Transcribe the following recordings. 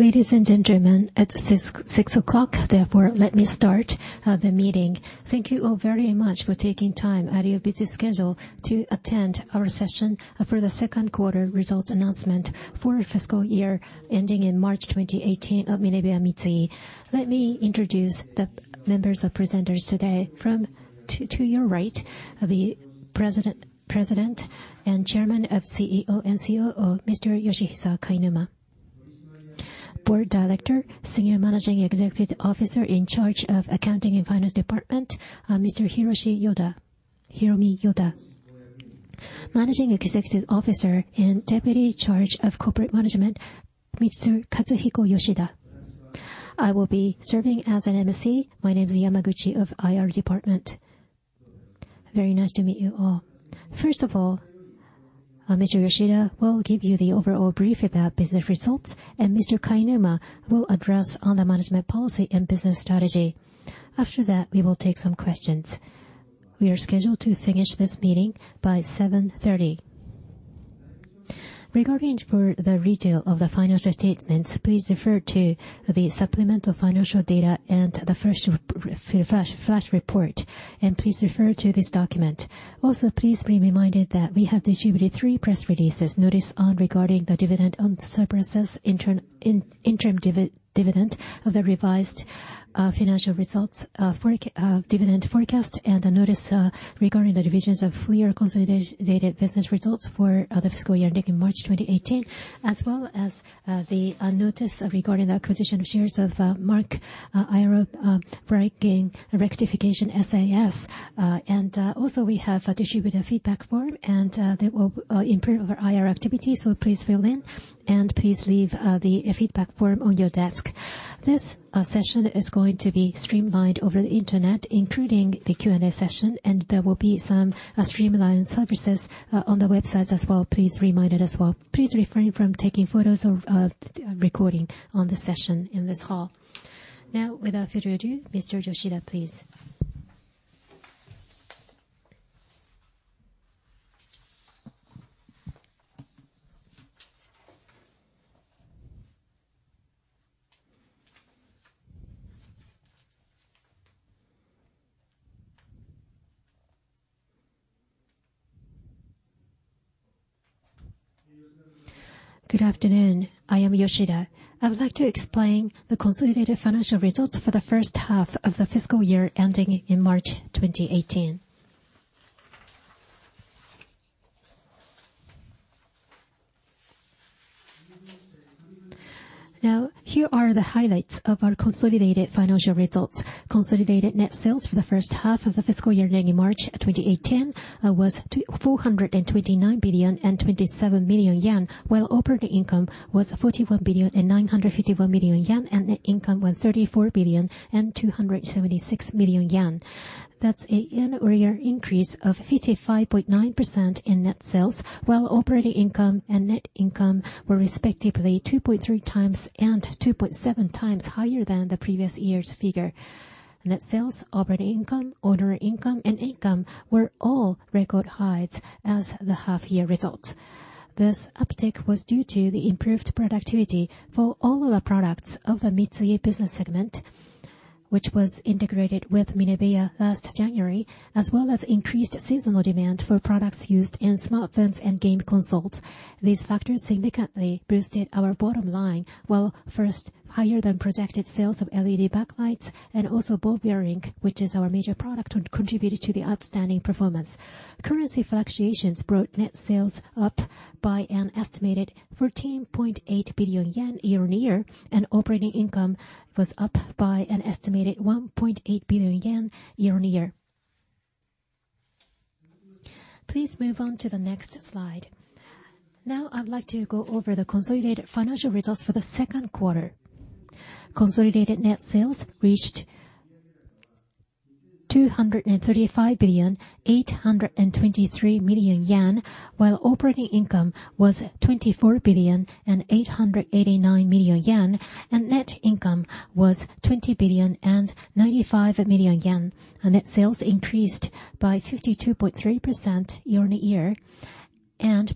Ladies and gentlemen, it's 6:00, therefore, let me start the meeting. Thank you all very much for taking time out of your busy schedule to attend our session for the second quarter results announcement for fiscal year ending in March 2018 of MINEBEA MITSUMI. Let me introduce the members of presenters today. To your right, the President and Chairman of CEO and COO, Mr. Yoshihisa Kainuma. Board Director, Senior Managing Executive Officer in charge of accounting and finance department, Mr. Hiromi Yoda. Managing Executive Officer and Deputy in charge of corporate management, Mr. Katsuhiko Yoshida. I will be serving as an emcee. My name is Yamaguchi of IR department. Very nice to meet you all. First of all, Mr. Yoshida will give you the overall brief about business results. Mr. Kainuma will address on the management policy and business strategy. After that, we will take some questions. We are scheduled to finish this meeting by 7:30. Regarding for the retail of the financial statements, please refer to the supplemental financial data and the flash report, and please refer to this document. Also, please be reminded that we have distributed three press releases. Notice regarding the dividend on surplus, interim dividend of the revised financial results, dividend forecast, and a notice regarding the divisions of full year consolidated business results for the fiscal year ending in March 2018, as well as the notice regarding the acquisition of shares of Mach Aero Bretigny Rectification SAS. We have distributed a feedback form, and that will improve our IR activities. So please fill in and please leave the feedback form on your desk. This session is going to be streamlined over the internet, including the Q&A session. There will be some streamlined services on the website as well. Please be reminded as well. Please refrain from taking photos or recording on the session in this hall. Now, without further ado, Mr. Yoshida, please. Good afternoon. I am Yoshida. I would like to explain the consolidated financial results for the first half of the fiscal year ending in March 2018. Now, here are the highlights of our consolidated financial results. Consolidated net sales for the first half of the fiscal year ending March 2018 was 429 billion and 27 million, while operating income was 41 billion and 951 million, and net income was 34 billion and 276 million. That's a year-on-year increase of 55.9% in net sales, while operating income and net income were respectively 2.3 times and 2.7 times higher than the previous year's figure. Net sales, operating income, ordinary income, and income were all record highs as the half year results. This uptick was due to the improved productivity for all of the products of the MITSUMI business segment, which was integrated with Minebea last January, as well as increased seasonal demand for products used in smartphones and game consoles. These factors significantly boosted our bottom line, while first, higher than projected sales of LED backlights and also ball bearing, which is our major product, contributed to the outstanding performance. Currency fluctuations brought net sales up by an estimated 14.8 billion yen year-on-year. Operating income was up by an estimated 1.8 billion yen year-on-year. Please move on to the next slide. Now, I would like to go over the consolidated financial results for the second quarter. Consolidated net sales reached 235 billion, 823 million, while operating income was 24 billion and 889 million, and net income was 20 billion and 95 million. Net sales increased by 52.3% year-on-year,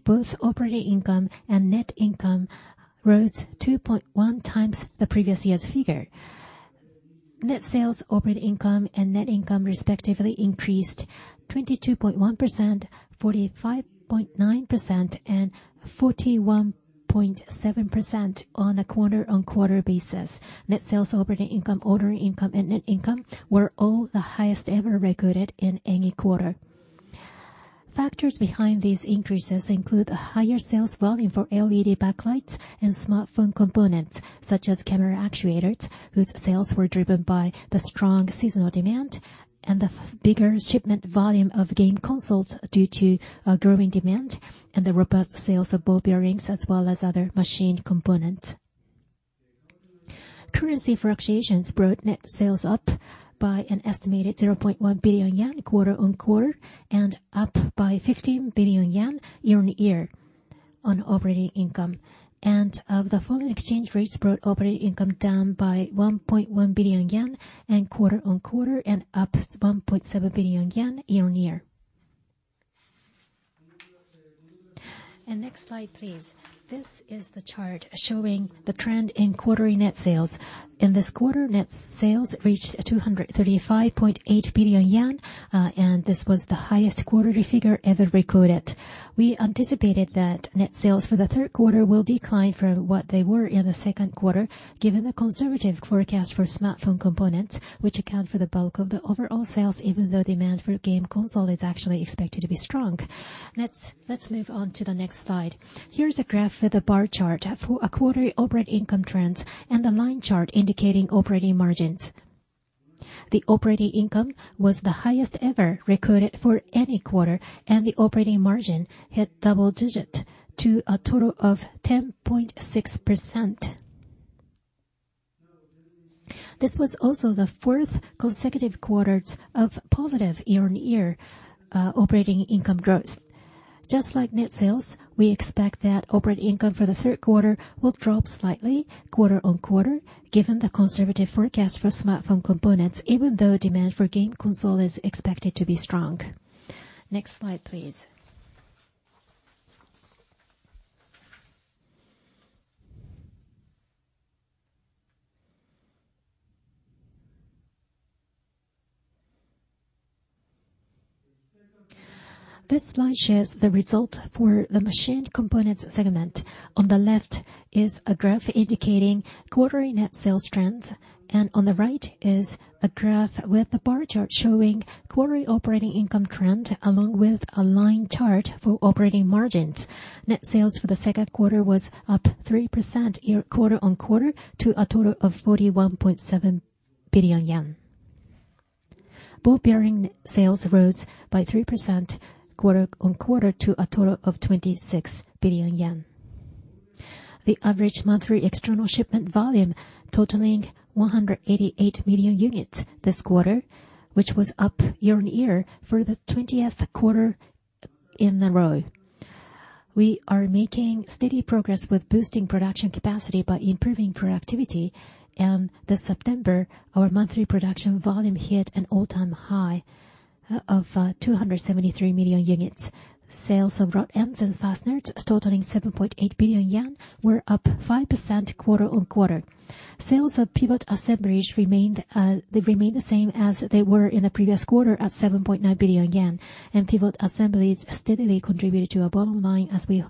both operating income and net income rose 2.1 times the previous year's figure. Net sales, operating income, and net income respectively increased 22.1%, 45.9%, and 41.7% on a quarter-on-quarter basis. Net sales, operating income, ordinary income, and net income were all the highest ever recorded in any quarter. Factors behind these increases include higher sales volume for LED backlights and smartphone components, such as camera actuators, whose sales were driven by the strong seasonal demand and the bigger shipment volume of game consoles due to growing demand and the robust sales of ball bearings as well as other machine components. Currency fluctuations brought net sales up by an estimated 0.1 billion yen quarter-on-quarter and up by 15 billion yen year-on-year on operating income. The foreign exchange rates brought operating income down by 1.1 billion yen quarter-on-quarter and up 1.7 billion yen year-on-year. Next slide, please. This is the chart showing the trend in quarterly net sales. In this quarter, net sales reached 235.8 billion yen, this was the highest quarterly figure ever recorded. We anticipated that net sales for the third quarter will decline from what they were in the second quarter, given the conservative forecast for smartphone components, which account for the bulk of the overall sales, even though demand for game consoles is actually expected to be strong. Let's move on to the next slide. Here's a graph with a bar chart for quarterly operating income trends and a line chart indicating operating margins. The operating income was the highest ever recorded for any quarter, the operating margin hit double digits to a total of 10.6%. This was also the fourth consecutive quarter of positive year-on-year operating income growth. Just like net sales, we expect that operating income for the third quarter will drop slightly quarter-on-quarter, given the conservative forecast for smartphone components, even though demand for game consoles is expected to be strong. Next slide, please. This slide shares the result for the machine components segment. On the left is a graph indicating quarterly net sales trends, on the right is a graph with a bar chart showing quarterly operating income trend, along with a line chart for operating margins. Net sales for the second quarter were up 3% quarter-on-quarter to a total of 41.7 billion yen. Ball bearing sales rose by 3% quarter-on-quarter to a total of 26 billion yen. The average monthly external shipment volume totaling 188 million units this quarter, which was up year-on-year for the 20th quarter in a row. We are making steady progress with boosting production capacity by improving productivity. This September, our monthly production volume hit an all-time high of 273 million units. Sales of rod ends and fasteners totaling 7.8 billion yen were up 5% quarter-on-quarter. Sales of pivot assemblies remained the same as they were in the previous quarter at 7.9 billion yen. Pivot assemblies steadily contributed to our bottom line as we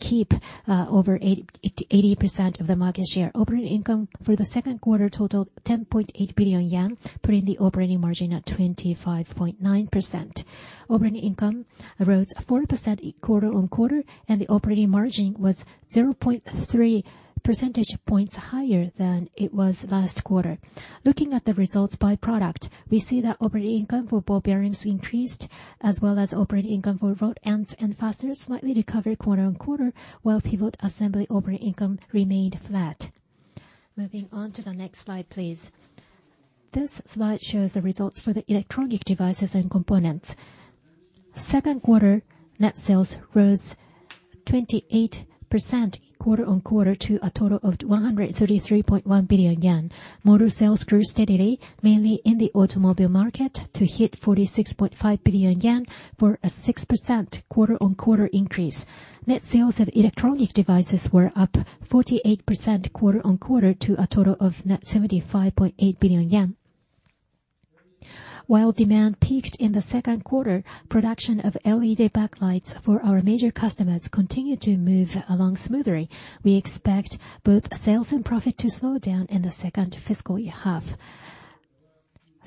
keep over 80% of the market share. Operating income for the second quarter totaled 10.8 billion yen, putting the operating margin at 25.9%. Operating income rose 4% quarter-on-quarter, the operating margin was 0.3 percentage points higher than it was last quarter. Looking at the results by product, we see that operating income for ball bearings increased as well as operating income for rod ends and fasteners slightly recovered quarter-on-quarter, while pivot assemblies operating income remained flat. Moving on to the next slide, please. This slide shows the results for the Electronic Devices and Components. Second quarter net sales rose 28% quarter-on-quarter to a total of 133.1 billion yen. Motor sales grew steadily, mainly in the automobile market, to hit 46.5 billion yen for a 6% quarter-on-quarter increase. Net sales of Electronic Devices and Components were up 48% quarter-on-quarter to a total of net 75.8 billion yen. While demand peaked in the second quarter, production of LED backlights for our major customers continued to move along smoothly. We expect both sales and profit to slow down in the second fiscal half.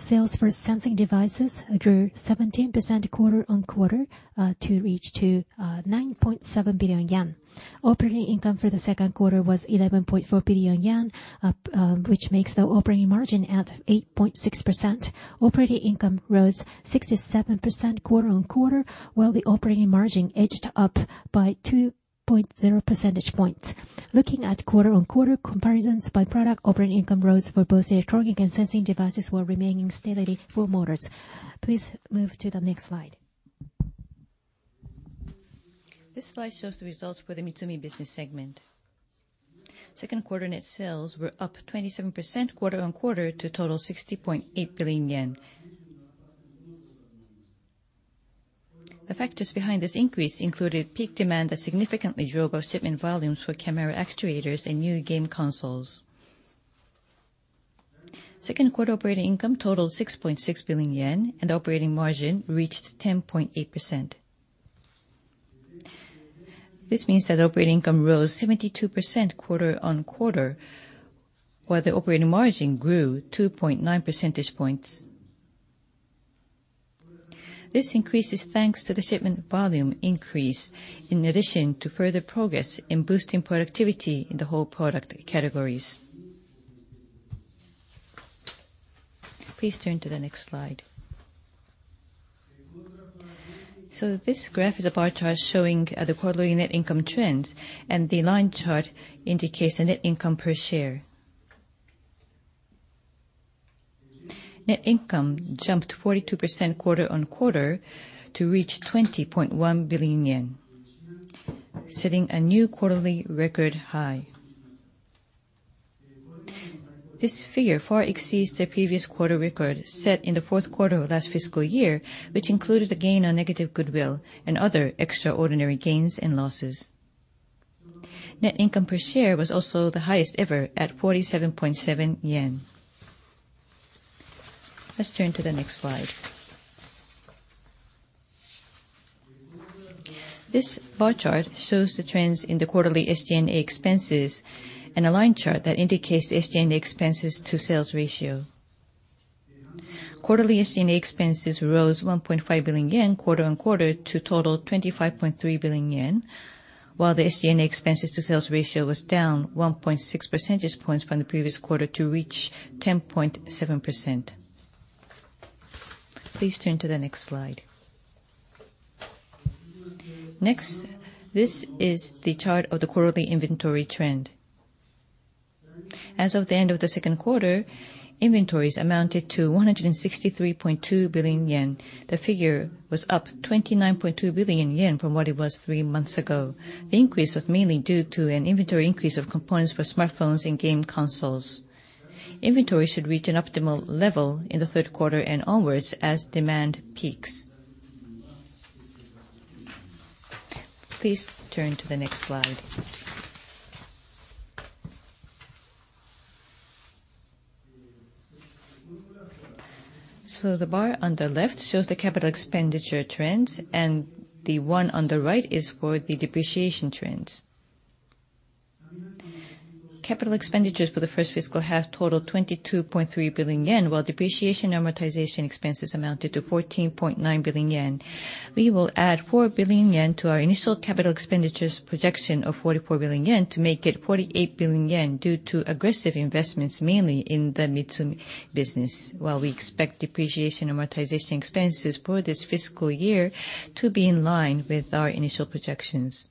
Sales for sensing devices grew 17% quarter-on-quarter to reach 9.7 billion yen. Operating income for the second quarter was 11.4 billion yen, which makes the operating margin at 8.6%. Operating income rose 67% quarter-on-quarter, while the operating margin edged up by 2.0 percentage points. Looking at quarter-on-quarter comparisons by product, operating income growth for both electronic and sensing devices while remaining steady for motors. Please move to the next slide. This slide shows the results for the MITSUMI business segment. Second quarter net sales were up 27% quarter-on-quarter to a total of JPY 60.8 billion. The factors behind this increase included peak demand that significantly drove our shipment volumes for camera actuators and new game consoles. Second quarter operating income totaled 6.6 billion yen, and operating margin reached 10.8%. This means that operating income rose 72% quarter-on-quarter, while the operating margin grew 2.9 percentage points. This increase is thanks to the shipment volume increase in addition to further progress in boosting productivity in the whole product categories. Please turn to the next slide. This graph is a bar chart showing the quarterly net income trends, and the line chart indicates the net income per share. Net income jumped 42% quarter-on-quarter to reach 20.1 billion yen, setting a new quarterly record high. This figure far exceeds the previous quarter record set in the fourth quarter of last fiscal year, which included a gain on negative goodwill and other extraordinary gains and losses. Net income per share was also the highest ever at 47.7 yen. Let's turn to the next slide. This bar chart shows the trends in the quarterly SG&A expenses and a line chart that indicates SG&A expenses to sales ratio. Quarterly SG&A expenses rose 1.5 billion yen quarter-on-quarter to total 25.3 billion yen, while the SG&A expenses to sales ratio was down 1.6 percentage points from the previous quarter to reach 10.7%. Please turn to the next slide. This is the chart of the quarterly inventory trend. As of the end of the second quarter, inventories amounted to 163.2 billion yen. The figure was up 29.2 billion yen from what it was three months ago. The increase was mainly due to an inventory increase of components for smartphones and game consoles. Inventories should reach an optimal level in the third quarter and onwards as demand peaks. Please turn to the next slide. The bar on the left shows the capital expenditure trends, and the one on the right is for the depreciation trends. Capital expenditures for the first fiscal half totaled 22.3 billion yen, while depreciation amortization expenses amounted to 14.9 billion yen. We will add 4 billion yen to our initial capital expenditures projection of 44 billion yen to make it 48 billion yen due to aggressive investments, mainly in the MITSUMI business, while we expect depreciation and amortization expenses for this fiscal year to be in line with our initial projections.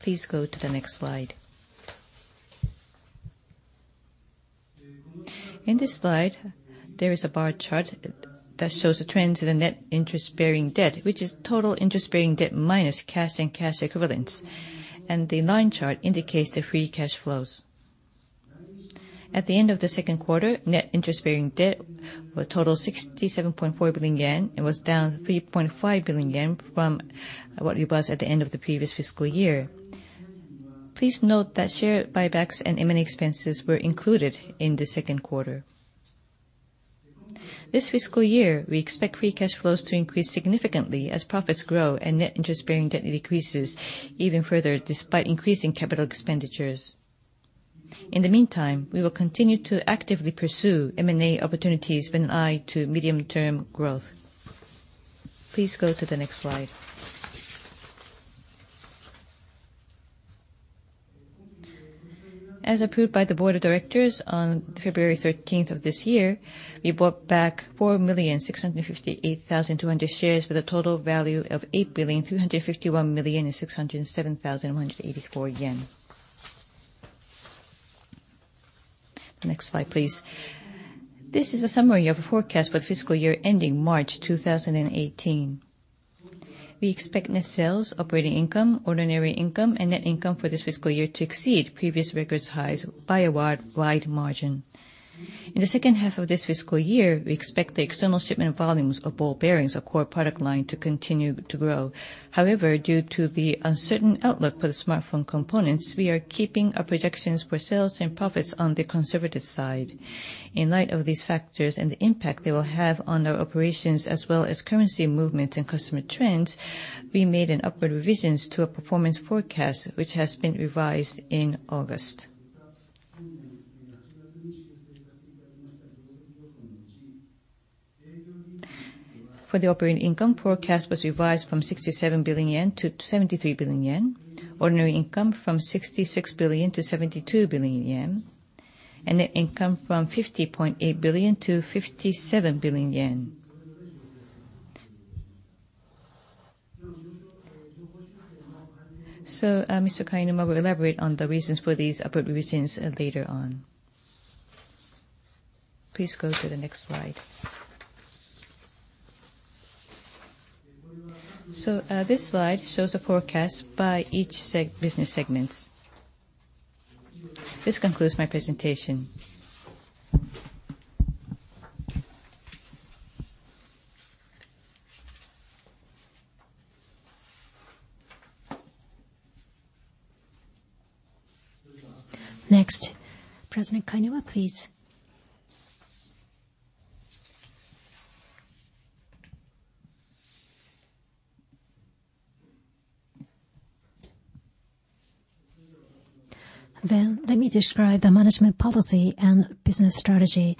Please go to the next slide. In this slide, there is a bar chart that shows the trends in the net interest-bearing debt, which is total interest-bearing debt minus cash and cash equivalents, and the line chart indicates the free cash flows. At the end of the second quarter, net interest-bearing debt totaled 67.4 billion yen. It was down 3.5 billion yen from what it was at the end of the previous fiscal year. Please note that share buybacks and M&A expenses were included in the second quarter. This fiscal year, we expect free cash flows to increase significantly as profits grow and net interest-bearing debt decreases even further, despite increasing capital expenditures. In the meantime, we will continue to actively pursue M&A opportunities with an eye to medium-term growth. Please go to the next slide. As approved by the board of directors on February 13th of this year, we bought back 4,658,200 shares with a total value of 8,351,607,184 yen. Next slide, please. This is a summary of forecast for the fiscal year ending March 2018. We expect net sales, operating income, ordinary income, and net income for this fiscal year to exceed previous record highs by a wide margin. In the second half of this fiscal year, we expect the external shipment volumes of ball bearings, a core product line, to continue to grow. However, due to the uncertain outlook for the smartphone components, we are keeping our projections for sales and profits on the conservative side. In light of these factors and the impact they will have on our operations, as well as currency movements and customer trends, we made an upward revision to our performance forecast, which has been revised in August. For the operating income, forecast was revised from 67 billion yen to 73 billion yen, ordinary income from 66 billion to 72 billion yen, and net income from 50.8 billion to 57 billion yen. Mr. Kainuma will elaborate on the reasons for these upward revisions later on. Please go to the next slide. This slide shows the forecast by each business segment. This concludes my presentation. Next, President Kainuma, please. Let me describe the management policy and business strategy.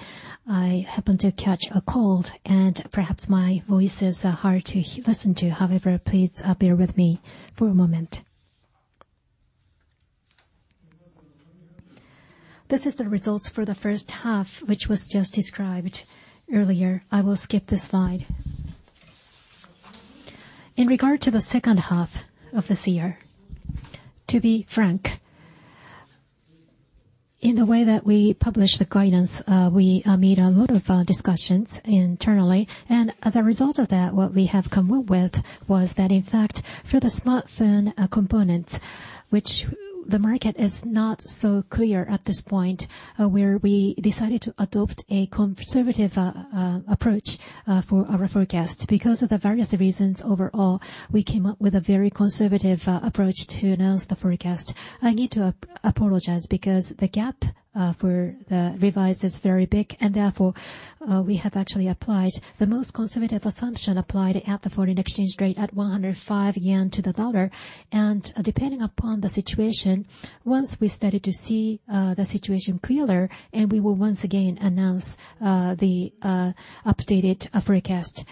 I happened to catch a cold, and perhaps my voices are hard to listen to. Please bear with me for a moment. This is the results for the first half, which was just described earlier. I will skip this slide. In regard to the second half of this year, to be frank, in the way that we publish the guidance, we made a lot of discussions internally. As a result of that, what we have come up with was that in fact, for the smartphone components, which the market is not so clear at this point, where we decided to adopt a conservative approach for our forecast. Because of the various reasons overall, we came up with a very conservative approach to announce the forecast. I need to apologize because the gap for the revise is very big and therefore we have actually applied the most conservative assumption applied at the foreign exchange rate at 105 yen to the USD. Depending upon the situation, once we started to see the situation clearer, we will once again announce the updated forecast.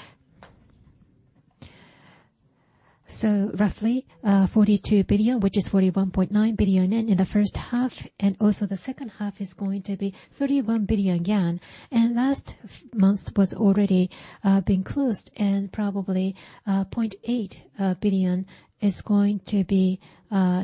Roughly 42 billion, which is 41.9 billion yen in the first half and also the second half is going to be 31 billion yen. Last month was already being closed and probably 0.8 billion is going to be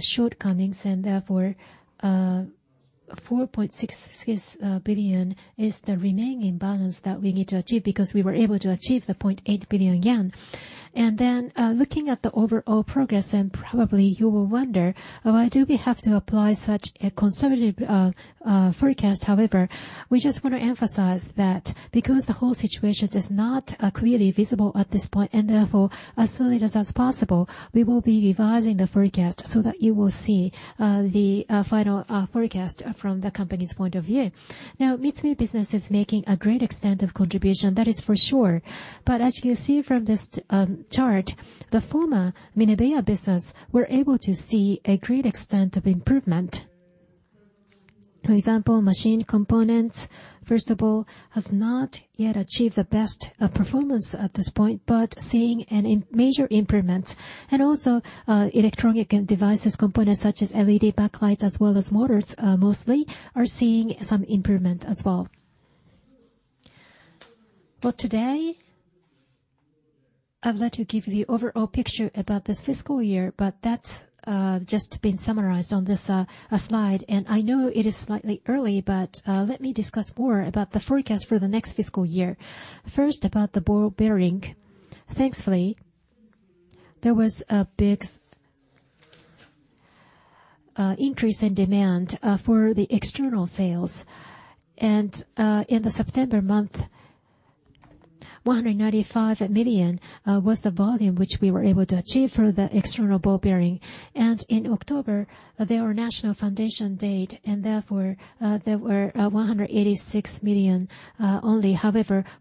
shortcomings and therefore 4.6 billion is the remaining balance that we need to achieve because we were able to achieve the 0.8 billion yen. Looking at the overall progress and probably you will wonder, why do we have to apply such a conservative forecast? We just want to emphasize that because the whole situation is not clearly visible at this point, and therefore as soon as possible, we will be revising the forecast so that you will see the final forecast from the company's point of view. MITSUMI business is making a great extent of contribution, that is for sure. As you can see from this chart, the former Minebea business, we're able to see a great extent of improvement. For example, machine components, first of all, has not yet achieved the best performance at this point, but seeing a major improvement. Also Electronic Devices, components such as LED backlights as well as motors mostly, are seeing some improvement as well. For today, I would like to give the overall picture about this fiscal year, but that's just been summarized on this slide. I know it is slightly early, let me discuss more about the forecast for the next fiscal year. First, about the ball bearing. Thankfully, there was a big increase in demand for the external sales. In the September month, 195 million was the volume which we were able to achieve for the external ball bearing. In October, there were National Foundation Day, and therefore there were 186 million only.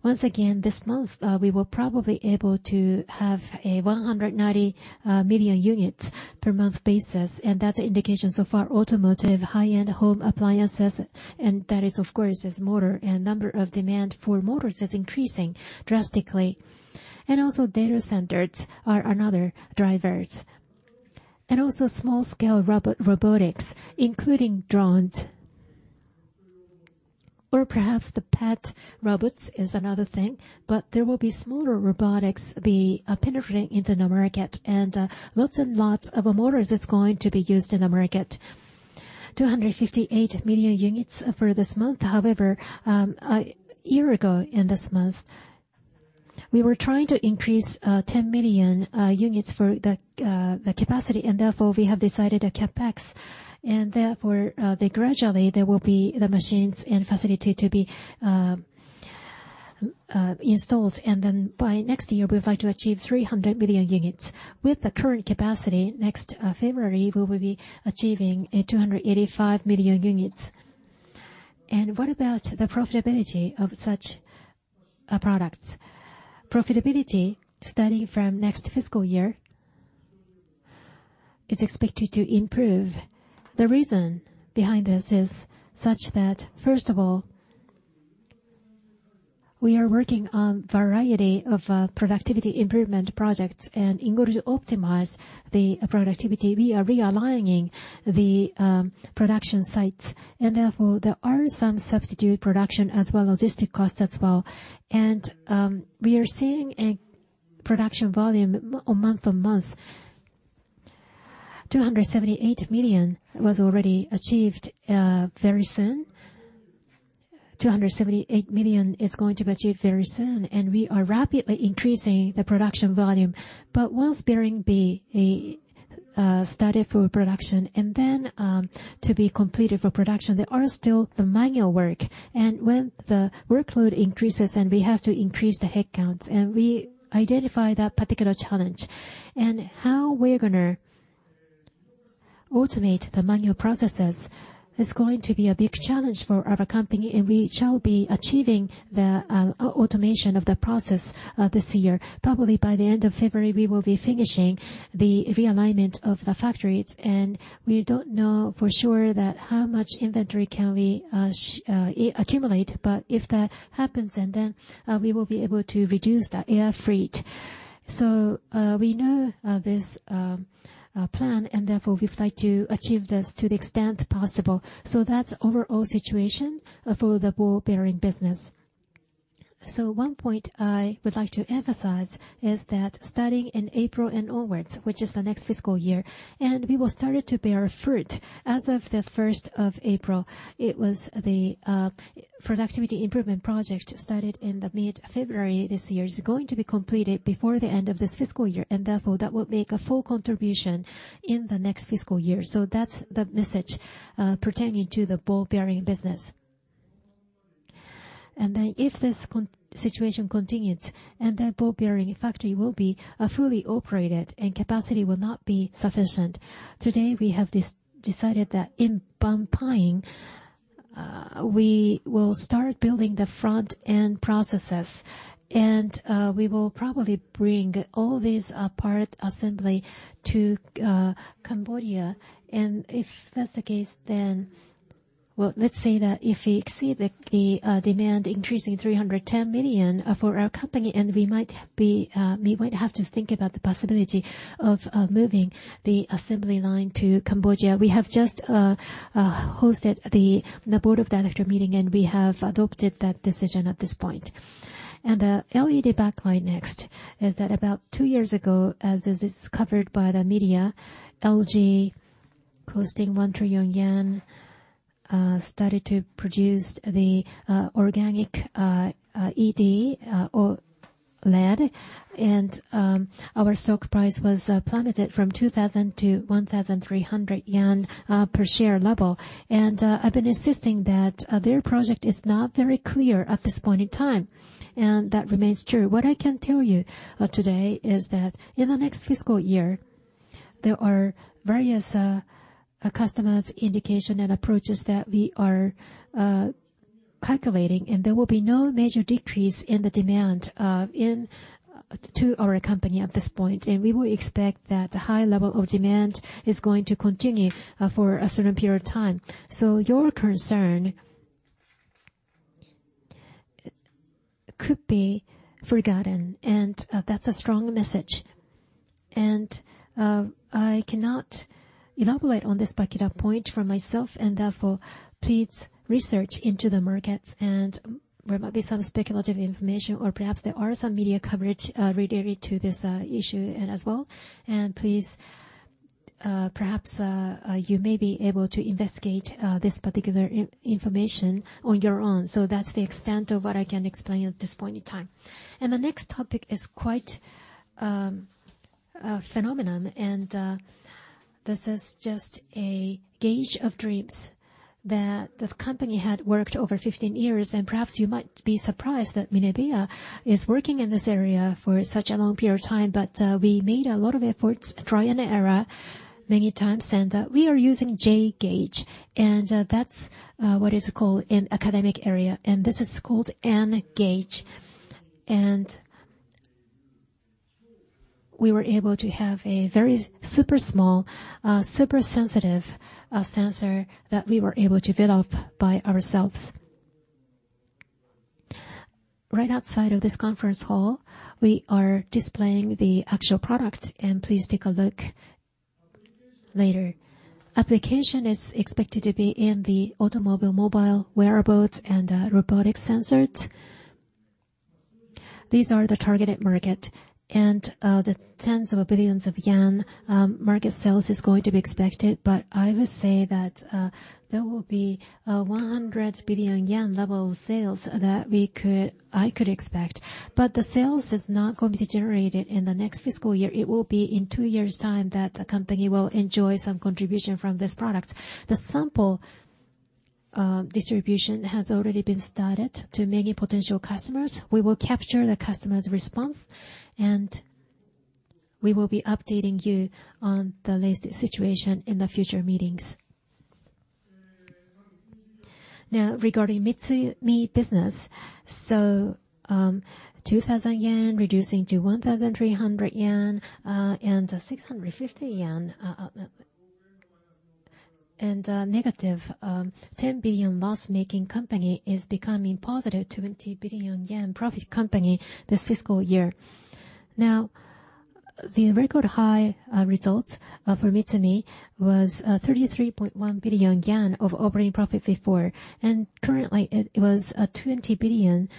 Once again this month, we were probably able to have a 190 million units per month basis and that's the indication so far, automotive, high-end home appliances, and that is of course is motor and number of demand for motors is increasing drastically. Also data centers are another drivers. Also small scale robotics, including drones. Perhaps the pet robots is another thing, but there will be smaller robotics be penetrating in the market and lots and lots of motors is going to be used in the market. 258 million units for this month. However, a year ago in this month, we were trying to increase 10 million units for the capacity and therefore we have decided a CapEx. Therefore, gradually there will be the machines and facility to be installed by next year, we would like to achieve 300 million units. With the current capacity, next February, we will be achieving a 285 million units. What about the profitability of such products? Profitability starting from next fiscal year is expected to improve. The reason behind this is such that, first of all, we are working on variety of productivity improvement projects, in order to optimize the productivity, we are realigning the production sites. Therefore there are some substitute production as well, logistic costs as well. We are seeing a production volume month-on-month, 278 million was already achieved very soon. 278 million is going to be achieved very soon, we are rapidly increasing the production volume. Once bearing be started for production to be completed for production, there are still the manual work when the workload increases we have to increase the headcounts we identify that particular challenge. How we're going to automate the manual processes is going to be a big challenge for our company, we shall be achieving the automation of the process this year. Probably by the end of February, we will be finishing the realignment of the factories, we don't know for sure that how much inventory can we accumulate, if that happens, we will be able to reduce the air freight. We know this plan and therefore we would like to achieve this to the extent possible. That's overall situation for the ball bearing business. One point I would like to emphasize is that starting in April and onwards, which is the next fiscal year, we will start to bear fruit as of the 1st of April. It was the productivity improvement project started in the mid-February this year, is going to be completed before the end of this fiscal year, therefore that will make a full contribution in the next fiscal year. That's the message pertaining to the ball bearing business. If this situation continues, that ball bearing factory will be fully operated capacity will not be sufficient. Today, we have decided that in Bang Pa-in, we will start building the front-end processes. We will probably bring all these part assembly to Cambodia. If that's the case, let's say that if we exceed the demand increasing 310 million for our company, we might have to think about the possibility of moving the assembly line to Cambodia. We have just hosted the board of director meeting, we have adopted that decision at this point. The LED backlight next is that about two years ago, as is discovered by the media, LG costing 1 trillion yen, started to produce the OLED or LED, our stock price was plummeted from 2,000 to 1,300 yen per share level. I've been insisting that their project is not very clear at this point in time, that remains true. What I can tell you today is that in the next fiscal year, there are various customers' indication and approaches that we are calculating, there will be no major decrease in the demand to our company at this point. We will expect that high level of demand is going to continue for a certain period of time. Your concern could be forgotten, that's a strong message. I cannot elaborate on this particular point for myself, therefore, please research into the markets, there might be some speculative information or perhaps there are some media coverage related to this issue as well. Please, perhaps, you may be able to investigate this particular information on your own. That's the extent of what I can explain at this point in time. The next topic is quite a phenomenon, this is just a gauge of dreams that the company had worked over 15 years, perhaps you might be surprised that Minebea is working in this area for such a long period of time. We made a lot of efforts, trial and error many times, we are using J gauge, that's what is called an academic area. This is called N gauge. We were able to have a very super small, super sensitive sensor that we were able to develop by ourselves. Right outside of this conference hall, we are displaying the actual product, please take a look later. Application is expected to be in the automobile, mobile, wearables, and robotic sensors. These are the targeted market, the tens of billions of JPY market sales is going to be expected. I would say that there will be 100 billion yen level sales that I could expect. The sales is not going to be generated in the next fiscal year. It will be in two years' time that the company will enjoy some contribution from this product. The sample distribution has already been started to many potential customers. We will capture the customer's response, we will be updating you on the latest situation in the future meetings. Regarding MITSUMI business, 2,000 yen reducing to 1,300 yen, 650 yen, negative 10 billion loss-making company is becoming positive 20 billion yen profit company this fiscal year. The record high results for MITSUMI was 33.1 billion yen of operating profit before, currently, it was 20 billion.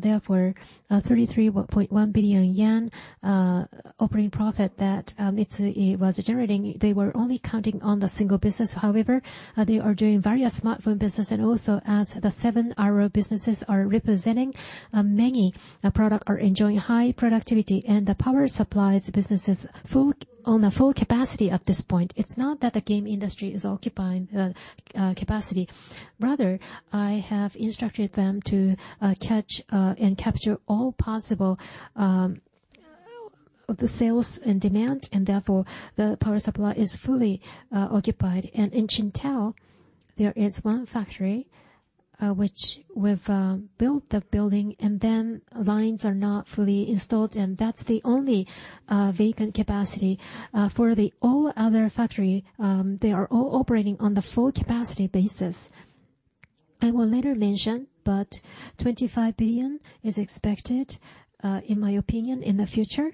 Therefore, 33.1 billion yen operating profit that MITSUMI was generating, they were only counting on the single business. However, they are doing various smartphone business, also as the seven ROE businesses are representing, many product are enjoying high productivity, the power supplies business is on a full capacity at this point. It's not that the game industry is occupying the capacity. Rather, I have instructed them to catch and capture all possible of the sales and demand, therefore, the power supply is fully occupied. In Qingdao, there is one factory which we've built the building, lines are not fully installed, that's the only vacant capacity. For the all other factory, they are all operating on the full capacity basis. I will later mention, 25 billion is expected, in my opinion, in the future.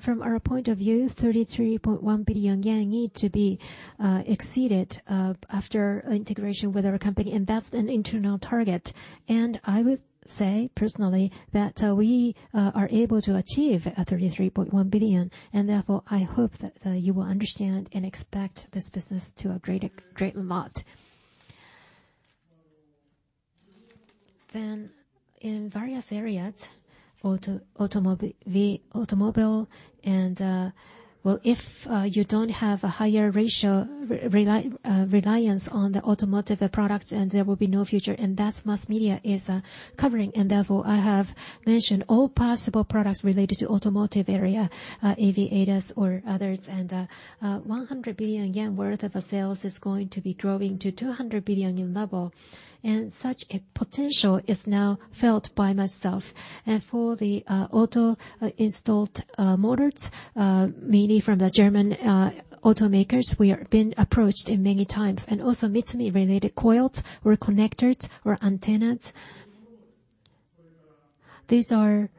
From our point of view, 33.1 billion yen need to be exceeded after integration with our company, and that's an internal target. I would say personally that we are able to achieve 33.1 billion, and therefore, I hope that you will understand and expect this business to a great lot. Then in various areas, automobile. If you don't have a higher ratio reliance on the automotive products, then there will be no future, and that mass media is covering. Therefore, I have mentioned all possible products related to automotive area, AV ADAS or others. 100 billion yen worth of sales is going to be growing to 200 billion yen level. Such potential is now felt by myself. For the auto installed motors, mainly from the German automakers, we have been approached many times. MITSUMI related coils or connectors or antennas, these are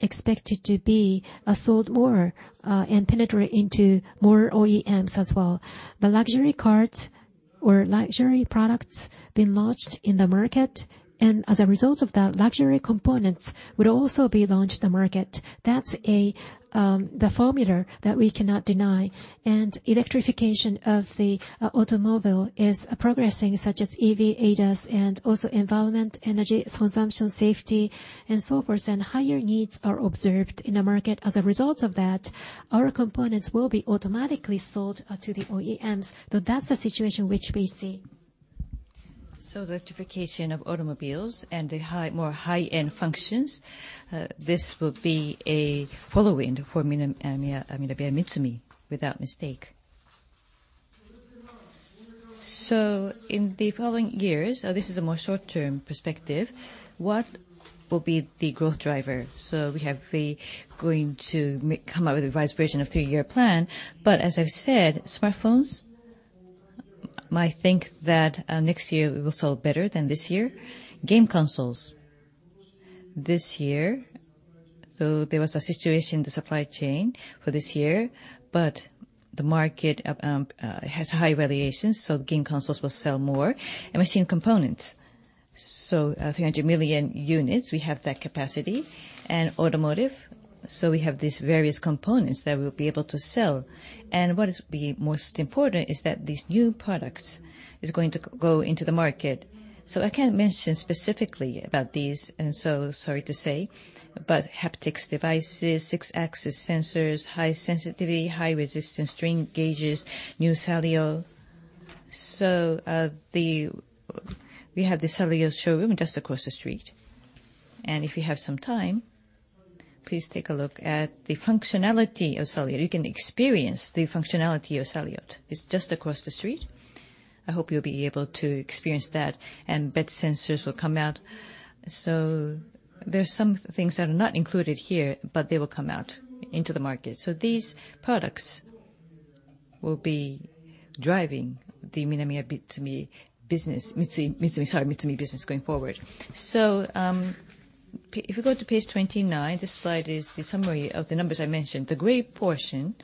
expected to be sold more, and penetrate into more OEMs as well. The luxury cars or luxury products being launched in the market, as a result of that, luxury components would also be launched in the market. That's the formula that we cannot deny. Electrification of the automobile is progressing, such as EV, ADAS, and also environment, energy consumption, safety, and so forth. Higher needs are observed in the market. As a result of that, our components will be automatically sold to the OEMs. That's the situation which we see. Electrification of automobiles and the more high-end functions, this will be a following for Minebea, I mean, MITSUMI, without mistake. In the following years, this is a more short-term perspective, what will be the growth driver? We are going to come out with a revised version of three-year plan. As I've said, smartphones, I think that next year we will sell better than this year. Game consoles. This year, there was a situation in the supply chain for this year, but the market has high variations, game consoles will sell more. Machine components. 300 million units, we have that capacity. Automotive. We have these various components that we will be able to sell. What is most important is that these new products is going to go into the market. I can't mention specifically about these, and so sorry to say, but haptics devices, six-axis sensors, high sensitivity, high resistance strain gauges, new SALIOT. We have the SALIOT showroom just across the street. If you have some time, please take a look at the functionality of SALIOT. You can experience the functionality of SALIOT. It's just across the street. I hope you'll be able to experience that. Bed sensors will come out. There's some things that are not included here, but they will come out into the market. These products will be driving the MinebeaMitsumi business going forward. If you go to page 29, this slide is the summary of the numbers I mentioned. The gray portion,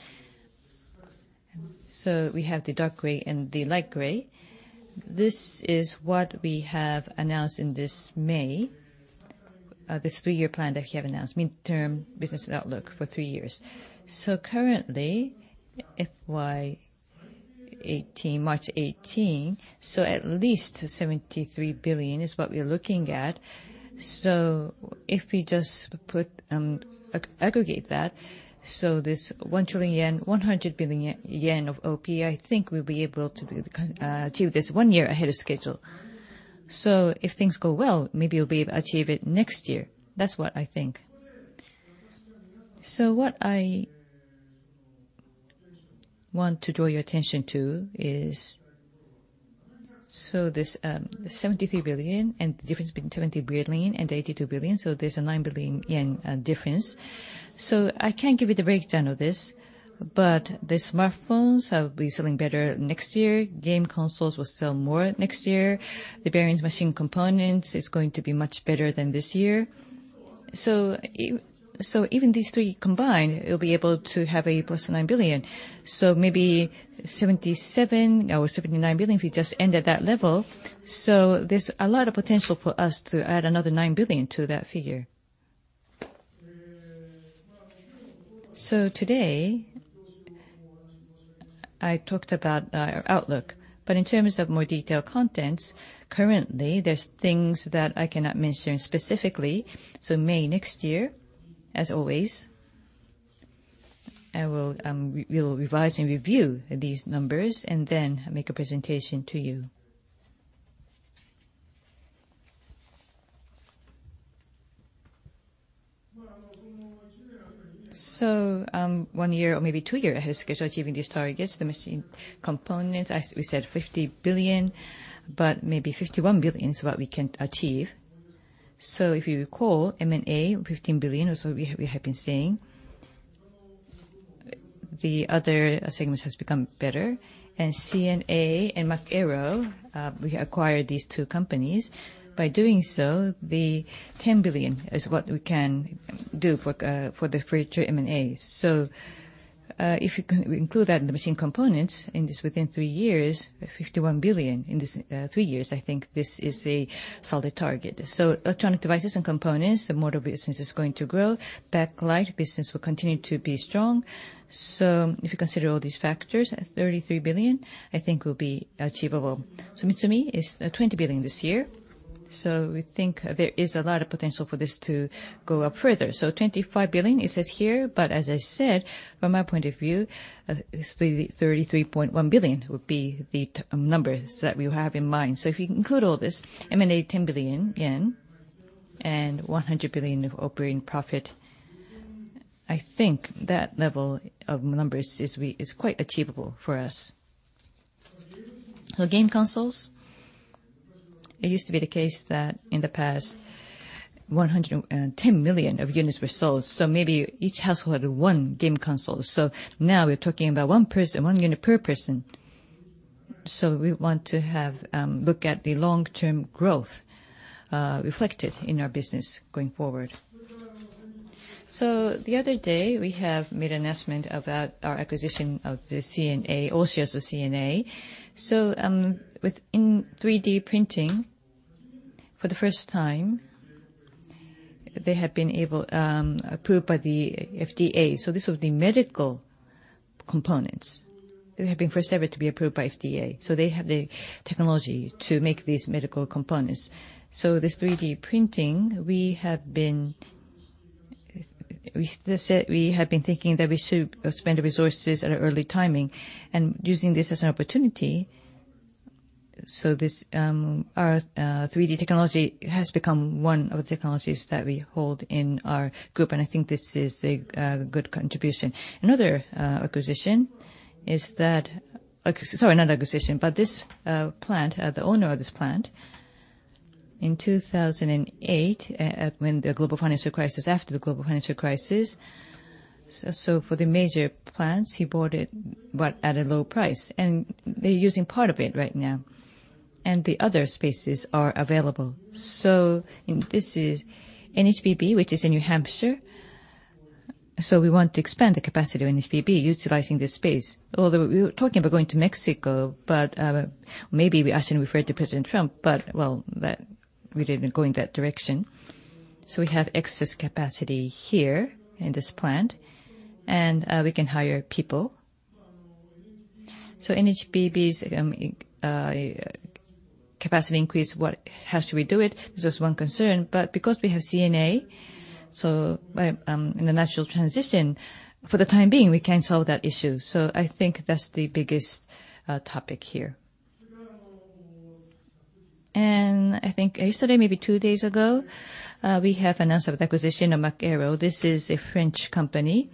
we have the dark gray and the light gray. This is what we have announced in this May, this three-year plan that we have announced, midterm business outlook for three years. Currently, FY 2018, March 2018, at least 73 billion is what we are looking at. If we just put and aggregate that, this 1 trillion yen, 100 billion yen of OPI, I think we will be able to achieve this one year ahead of schedule. If things go well, maybe we will be able to achieve it next year. That is what I think. What I want to draw your attention to is this 73 billion and the difference between 20 billion and 82 billion, there is a 9 billion yen difference. I cannot give you the breakdown of this, but the smartphones will be selling better next year. Game consoles will sell more next year. The bearings machine components is going to be much better than this year. Even these three combined, it will be able to have a plus 9 billion. Maybe 77 billion or 79 billion if we just end at that level. There is a lot of potential for us to add another 9 billion to that figure. Today, I talked about our outlook, but in terms of more detailed contents, currently, there is things that I cannot mention specifically. May next year, as always, we will revise and review these numbers, and then make a presentation to you. One year or maybe two year ahead of schedule, achieving these targets, the machine components, as we said, 50 billion, but maybe 51 billion is what we can achieve. If you recall, M&A, 15 billion is what we have been saying. The other segments has become better. C&A and Mach Aero, we acquired these two companies. By doing so, 10 billion is what we can do for the future M&A. If we include that in the machine components, in this within three years, 51 billion in these three years, I think this is a solid target. Electronic Devices and Components, the motor business is going to grow. Backlight business will continue to be strong. If you consider all these factors, 33 billion, I think, will be achievable. MITSUMI is 20 billion this year. We think there is a lot of potential for this to go up further. 25 billion, it says here, but as I said, from my point of view, 33.1 billion would be the numbers that we have in mind. If you include all this, M&A 10 billion yen and 100 billion of operating profit, I think that level of numbers is quite achievable for us. Game consoles, it used to be the case that in the past, 110 million of units were sold, maybe each household had one game console. Now we are talking about one unit per person. We want to have look at the long-term growth reflected in our business going forward. The other day, we have made announcement about our acquisition of the C&A, all shares of C&A. Within 3D printing, for the first time, they have been approved by the FDA, these were the medical components that have been first ever to be approved by FDA. They have the technology to make these medical components. This 3D printing, we have been thinking that we should spend the resources at early timing and using this as an opportunity. This 3D technology has become one of the technologies that we hold in our group, and I think this is a good contribution. Another acquisition is that this plant, the owner of this plant, in 2008, when the global financial crisis, after the global financial crisis. For the major plants, he bought it, but at a low price, and they're using part of it right now. The other spaces are available. This is NHBB, which is in New Hampshire. We want to expand the capacity of NHBB utilizing this space. Although we were talking about going to Mexico, but maybe I shouldn't refer to President Trump, but, well, we didn't go in that direction. We have excess capacity here in this plant, and we can hire people. NHBB's capacity increase, how should we do it? There's one concern, but because we have C&A, in the natural transition, for the time being, we can solve that issue. I think that's the biggest topic here. I think yesterday, maybe two days ago, we have announced the acquisition of Mach Aero. This is a French company.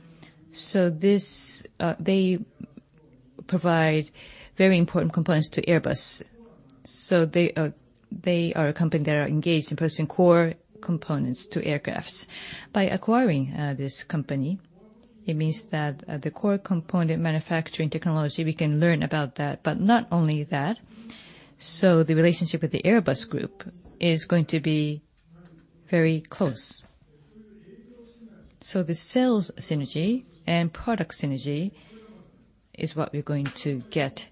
They provide very important components to Airbus. They are a company that are engaged in producing core components to aircrafts. By acquiring this company, it means that the core component manufacturing technology, we can learn about that, but not only that. The relationship with the Airbus group is going to be very close. The sales synergy and product synergy is what we're going to get.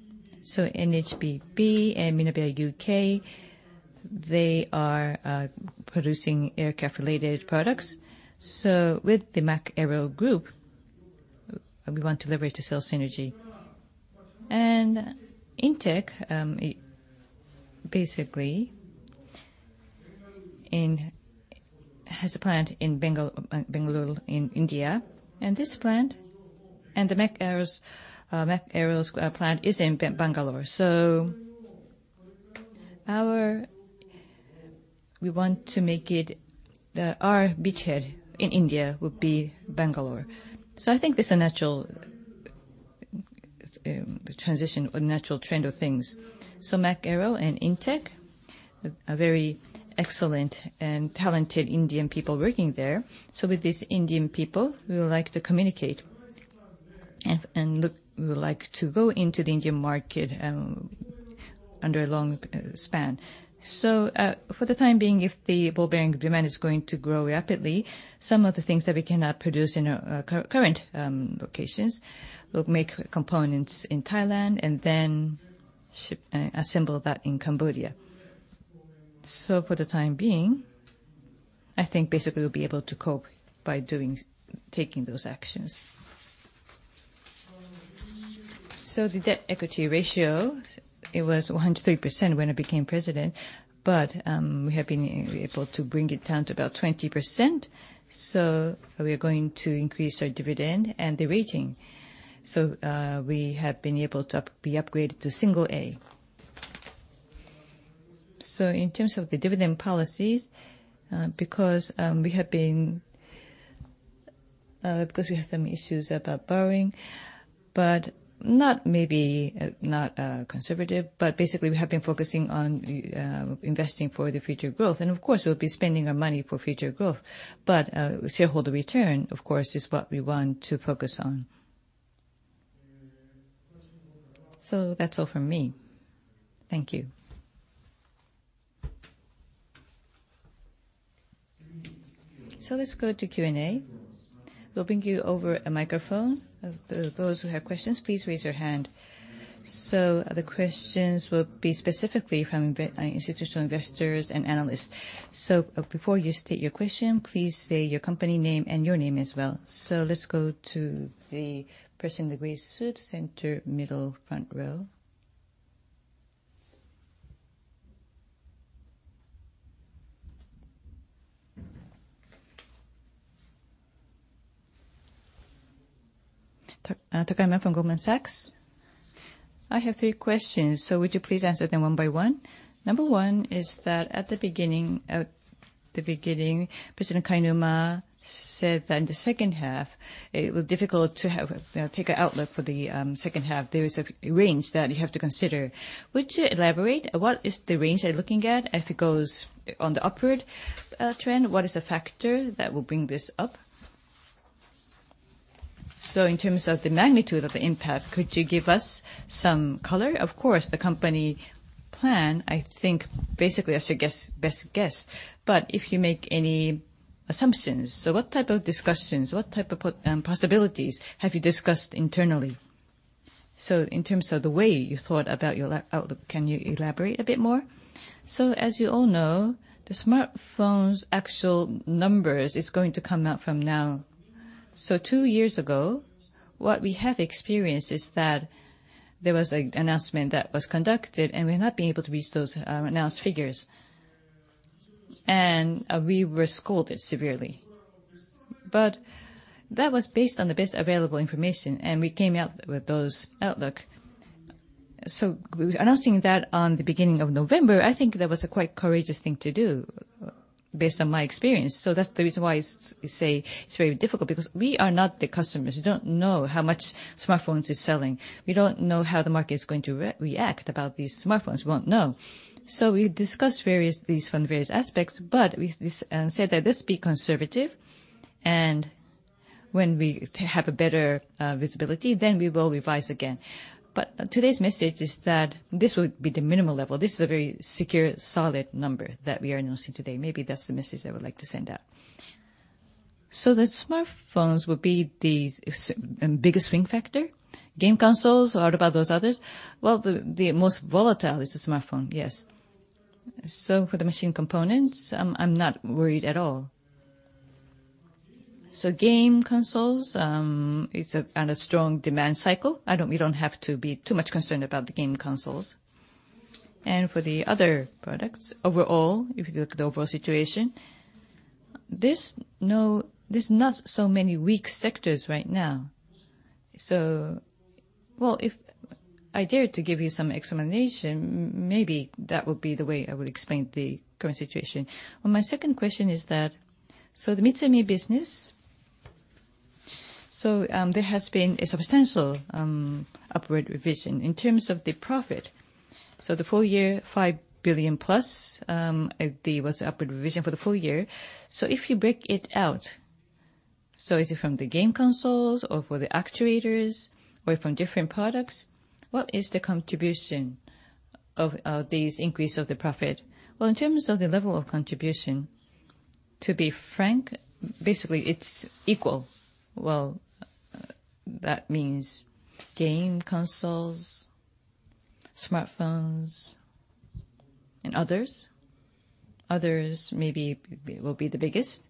NHBB and Minebea UK, they are producing aircraft-related products. With the Mach Aero group, we want to leverage the sales synergy. Intec, basically, has a plant in Bangalore, in India. This plant and the Mach Aero's plant is in Bangalore. We want to make it our beachhead in India would be Bangalore. I think it's a natural transition or natural trend of things. Mach Aero and Intec, a very excellent and talented Indian people working there. With these Indian people, we would like to communicate and we would like to go into the Indian market under a long span. For the time being, if the ball bearing demand is going to grow rapidly, some of the things that we cannot produce in our current locations, we'll make components in Thailand and then assemble that in Cambodia. For the time being, I think basically we'll be able to cope by taking those actions. The debt equity ratio, it was 103% when I became president, but we have been able to bring it down to about 20%. We are going to increase our dividend and the rating. We have been able to be upgraded to single A. In terms of the dividend policies, because we have some issues about borrowing, but not maybe conservative, but basically, we have been focusing on investing for the future growth. Of course, we'll be spending our money for future growth, but shareholder return, of course, is what we want to focus on. That's all from me. Thank you. Let's go to Q&A. We'll bring you over a microphone. Those who have questions, please raise your hand. The questions will be specifically from institutional investors and analysts. Before you state your question, please state your company name and your name as well. Let's go to the person in the gray suit, center middle front row. Takae from Goldman Sachs. I have 3 questions, would you please answer them one by one? Number 1 is that at the beginning, President Kainuma said that in the second half, it was difficult to take an outlook for the second half. There is a range that you have to consider. Would you elaborate, what is the range you're looking at? If it goes on the upward trend, what is a factor that will bring this up? In terms of the magnitude of the impact, could you give us some color? Of course, the company plan, I think basically as your best guess, but if you make any assumptions, what type of discussions, what type of possibilities have you discussed internally? In terms of the way you thought about your outlook, can you elaborate a bit more? As you all know, the smartphone's actual numbers is going to come out from now. 2 years ago, what we have experienced is that there was an announcement that was conducted, and we're not being able to reach those announced figures. We were scolded severely. That was based on the best available information, and we came out with those outlook. Announcing that on the beginning of November, I think that was a quite courageous thing to do, based on my experience. That's the reason why I say it's very difficult, because we are not the customers. We don't know how much smartphones is selling. We don't know how the market is going to react about these smartphones. We won't know. We discussed these from various aspects, but we said that let's be conservative, and when we have a better visibility, then we will revise again. Today's message is that this will be the minimal level. This is a very secure, solid number that we are announcing today. Maybe that's the message I would like to send out. The smartphones will be the biggest swing factor? Game consoles, what about those others? Well, the most volatile is the smartphone, yes. For the machine components, I'm not worried at all. Game consoles, it's on a strong demand cycle. We don't have to be too much concerned about the Game consoles. For the other products, overall, if you look at the overall situation, there's not so many weak sectors right now. Well, if I dare to give you some explanation, maybe that would be the way I would explain the current situation. Well, my second question is that, the MITSUMI business, there has been a substantial upward revision in terms of the profit. The full year, 5 billion plus, there was upward revision for the full year. If you break it out, is it from the Game consoles or for the actuators or from different products? What is the contribution of this increase of the profit? Well, in terms of the level of contribution, to be frank, basically it's equal. Well, that means Game consoles, smartphones, and others. Others maybe will be the biggest.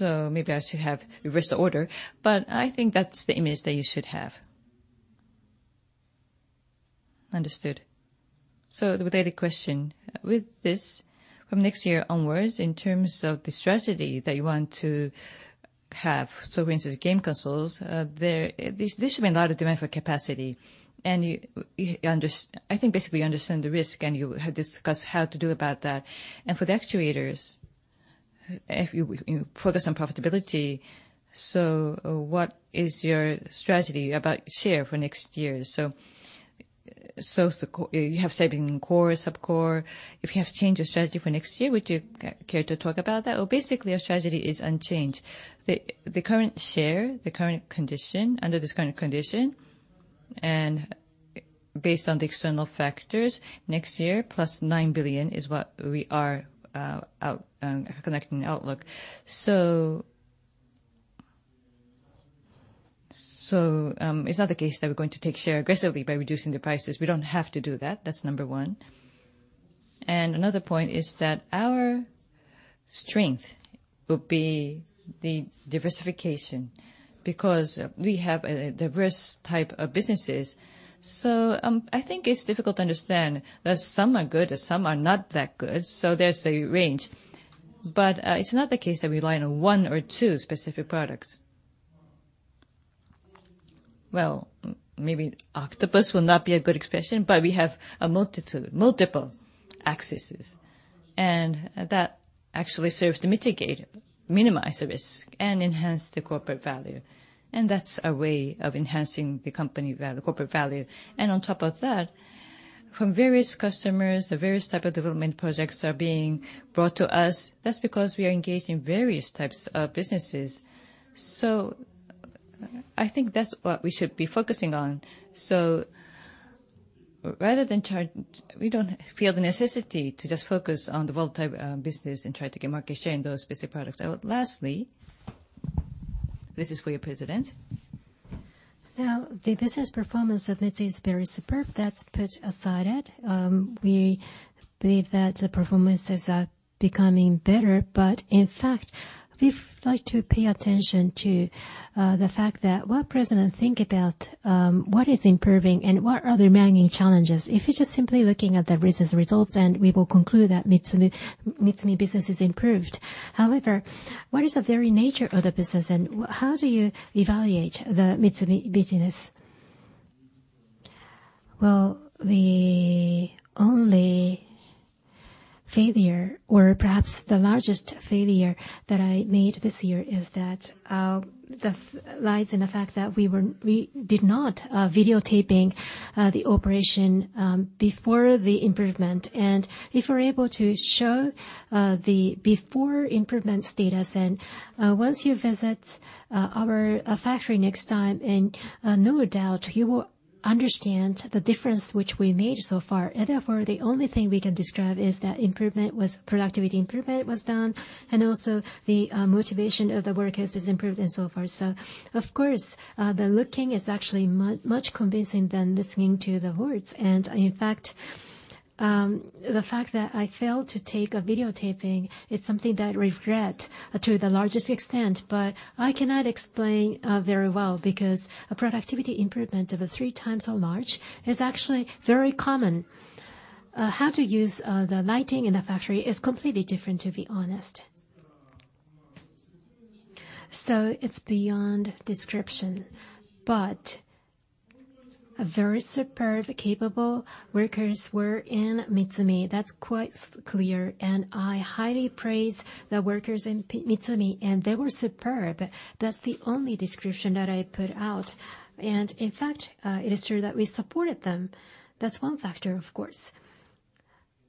Maybe I should have reversed the order, but I think that's the image that you should have. Understood. The related question. With this, from next year onwards, in terms of the strategy that you want to have, for instance, game consoles, there should be a lot of demand for capacity. I think basically you understand the risk, and you have discussed how to do about that. For the actuators, if you focus on profitability, what is your strategy about share for next year? You have said between core, sub-core. If you have changed your strategy for next year, would you care to talk about that? Basically, our strategy is unchanged. The current share, the current condition, under this current condition, and based on the external factors, next year, plus 9 billion is what we are connecting outlook. It's not the case that we're going to take share aggressively by reducing the prices. We don't have to do that. That's number one. Another point is that our strength would be the diversification, because we have diverse type of businesses. I think it's difficult to understand that some are good and some are not that good. There's a range. But it's not the case that we rely on one or two specific products. Maybe octopus will not be a good expression, but we have multiple axes. That actually serves to mitigate, minimize the risk, and enhance the corporate value. That's a way of enhancing the corporate value. On top of that, from various customers, various type of development projects are being brought to us. That's because we are engaged in various types of businesses. I think that's what we should be focusing on. Rather than trying, we don't feel the necessity to just focus on the volatile business and try to get market share in those specific products. Lastly, this is for you, President. The business performance of MITSUMI is very superb. That's put aside. We believe that the performances are becoming better, but in fact, we'd like to pay attention to the fact that what President think about what is improving and what are the remaining challenges. If you're just simply looking at the business results then we will conclude that MITSUMI business has improved. However, what is the very nature of the business, and how do you evaluate the MITSUMI business? The only failure, or perhaps the largest failure that I made this year lies in the fact that we did not videotaping the operation before the improvement. If we're able to show the before improvement status, then once you visit our factory next time, no doubt you will understand the difference which we made so far. The only thing we can describe is that productivity improvement was done, also the motivation of the workers is improved, and so forth. Of course, the looking is actually much convincing than listening to the words. In fact, the fact that I failed to take a videotaping is something that I regret to the largest extent, but I cannot explain very well, because a productivity improvement of a three times so large is actually very common. How to use the lighting in a factory is completely different, to be honest. It's beyond description, but a very superb, capable workers were in MITSUMI. That's quite clear, I highly praise the workers in MITSUMI, and they were superb. That's the only description that I put out. In fact, it is true that we supported them. That's one factor, of course.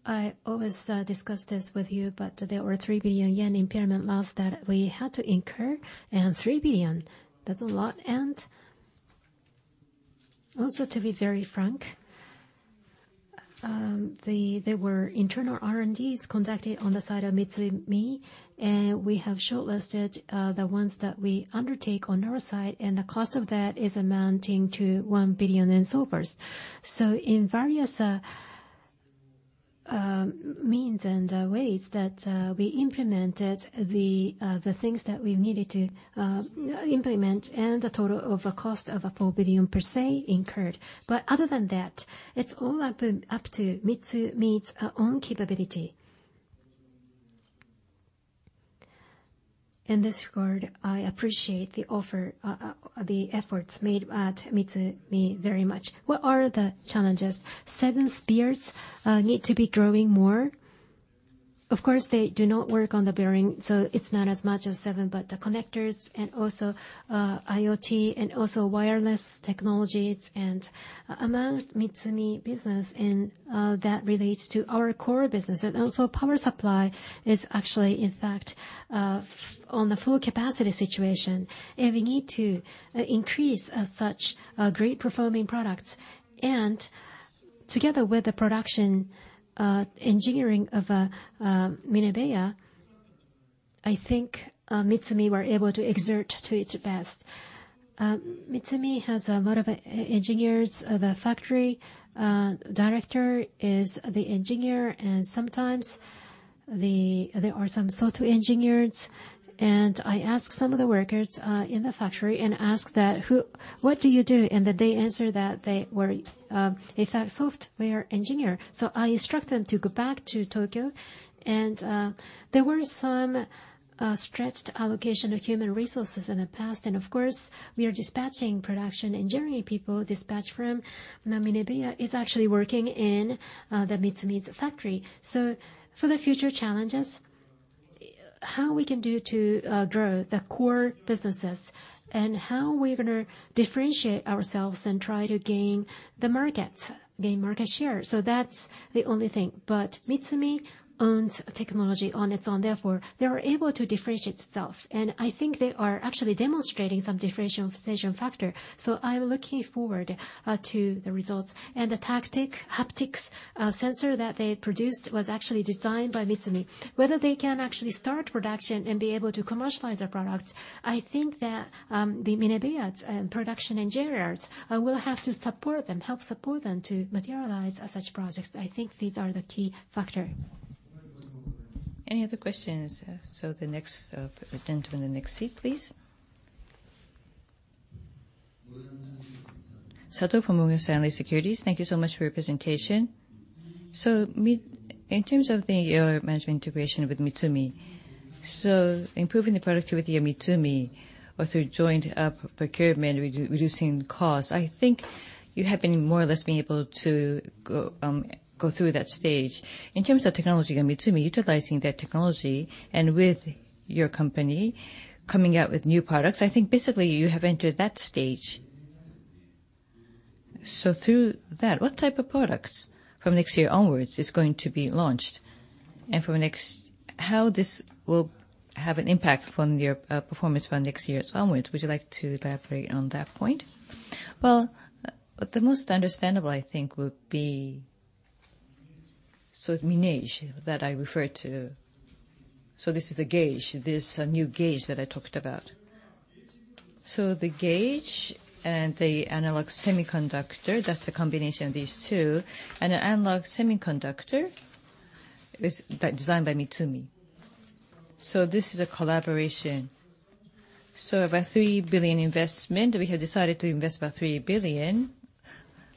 I always discuss this with you, there were 3 billion yen impairment loss that we had to incur, 3 billion, that's a lot. Also to be very frank, there were internal R&Ds conducted on the side of MITSUMI, we have shortlisted the ones that we undertake on our side, the cost of that is amounting to 1 billion and so forth. In various means and ways that we implemented the things that we needed to implement, the total of a cost of 4 billion per se incurred. Other than that, it's all up to MITSUMI's own capability. In this regard, I appreciate the efforts made at MITSUMI very much. What are the challenges? Eight Spears need to be growing more. Of course, they do not work on the bearing, so it's not as much as seven, the connectors, also IoT, also wireless technologies, among MITSUMI business, that relates to our core business. Also power supply is actually, in fact, on the full capacity situation, we need to increase such great performing products. Together with the production engineering of Minebea, I think MITSUMI were able to exert to its best. MITSUMI has a lot of engineers. The factory director is the engineer, sometimes there are some software engineers, I ask some of the workers in the factory and ask that, "What do you do?" They answer that they were in fact software engineer. I instruct them to go back to Tokyo. There were some stretched allocation of human resources in the past, of course, we are dispatching production engineering people dispatched from Minebea is actually working in the MITSUMI's factory. For the future challenges, how we're going to differentiate ourselves and try to gain the markets, gain market share. That's the only thing. MITSUMI owns technology on its own, therefore, they are able to differentiate itself. I think they are actually demonstrating some differentiation factor, I'm looking forward to the results. The haptics sensor that they produced was actually designed by MITSUMI. Whether they can actually start production and be able to commercialize their products, I think that the Minebea's production engineers will have to support them, help support them to materialize such projects. I think these are the key factor. Any other questions? The next, the gentleman in the next seat, please. Sato from Morgan Stanley Securities. Thank you so much for your presentation. In terms of the management integration with MITSUMI, improving the productivity of MITSUMI or through joint procurement, reducing costs, I think you have been more or less been able to go through that stage. In terms of technology, I mean, MITSUMI utilizing that technology and with your company coming out with new products, I think basically you have entered that stage. Through that, what type of products from next year onwards is going to be launched? How this will have an impact from your performance from next year onwards? Would you like to elaborate on that point? Well, the most understandable, I think, would be. Minege that I referred to. This is a gauge, this new gauge that I talked about. The gauge and the analog semiconductor, that's the combination of these two. An analog semiconductor is designed by MITSUMI. This is a collaboration. Of our 3 billion investment, we have decided to invest about 3 billion.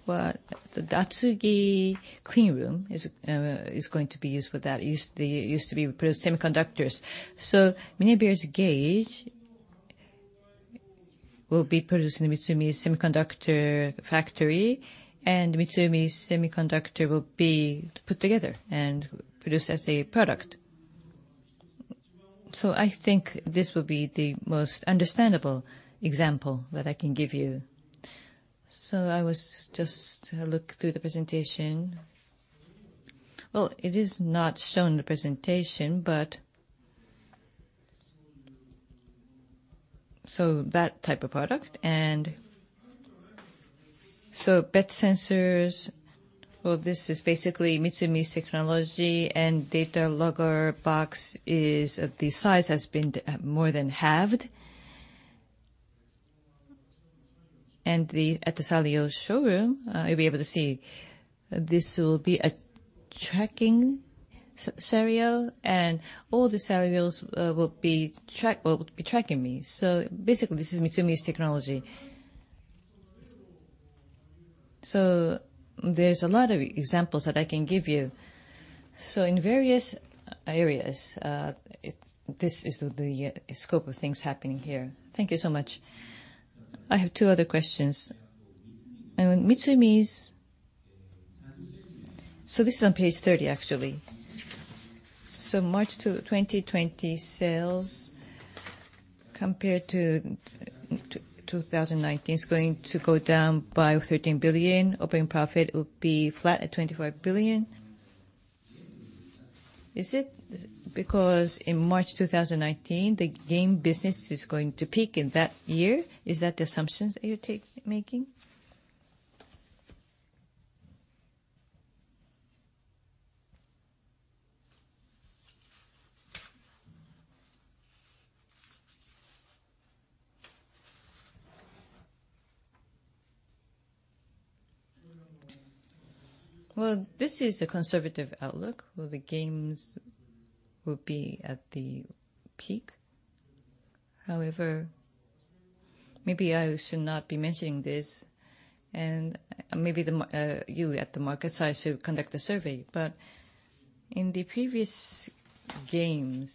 Well, the Atsugi clean room is going to be used for that. It used to be to produce semiconductors. Minebea's gauge will be produced in the MITSUMI semiconductor factory, and MITSUMI's semiconductor will be put together and produced as a product. I think this will be the most understandable example that I can give you. I will just look through the presentation. Well, it is not shown in the presentation, that type of product, PET sensors, well, this is basically MITSUMI's technology, and data logger box, the size has been more than halved. At the SALIOT showroom, you'll be able to see this will be a tracking SALIOT, and all the SALIOTs will be tracking me. Basically, this is MITSUMI's technology. There's a lot of examples that I can give you. In various areas, this is the scope of things happening here. Thank you so much. I have two other questions. This is on page 30, actually. March 2020 sales compared to 2019 is going to go down by 13 billion. Operating profit will be flat at 25 billion. Is it because in March 2019, the game business is going to peak in that year? Is that the assumptions that you're making? This is a conservative outlook, where the games will be at the peak. However, maybe I should not be mentioning this, and maybe you at the market side should conduct a survey. In the previous game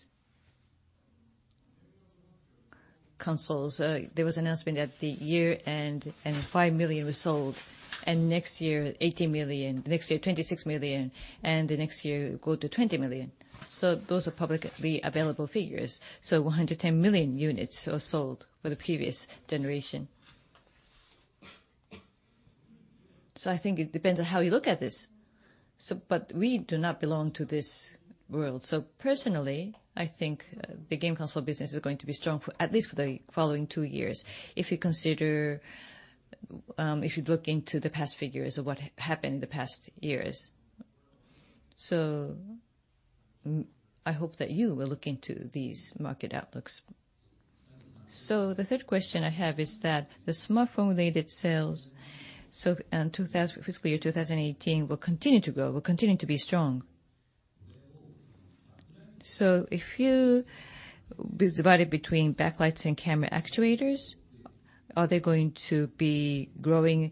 consoles, there was an announcement that the year-end, and 5 million was sold, and next year, 18 million, the next year, 26 million, and the next year, it go to 20 million. Those are publicly available figures. 110 million units were sold for the previous generation. I think it depends on how you look at this, but we do not belong to this world. Personally, I think the game console business is going to be strong at least for the following 2 years. If you look into the past figures of what happened in the past years. I hope that you will look into these market outlooks. The third question I have is that the smartphone-related sales, FY 2018 will continue to grow, will continue to be strong. If you divide it between backlights and camera actuators, are they going to be growing in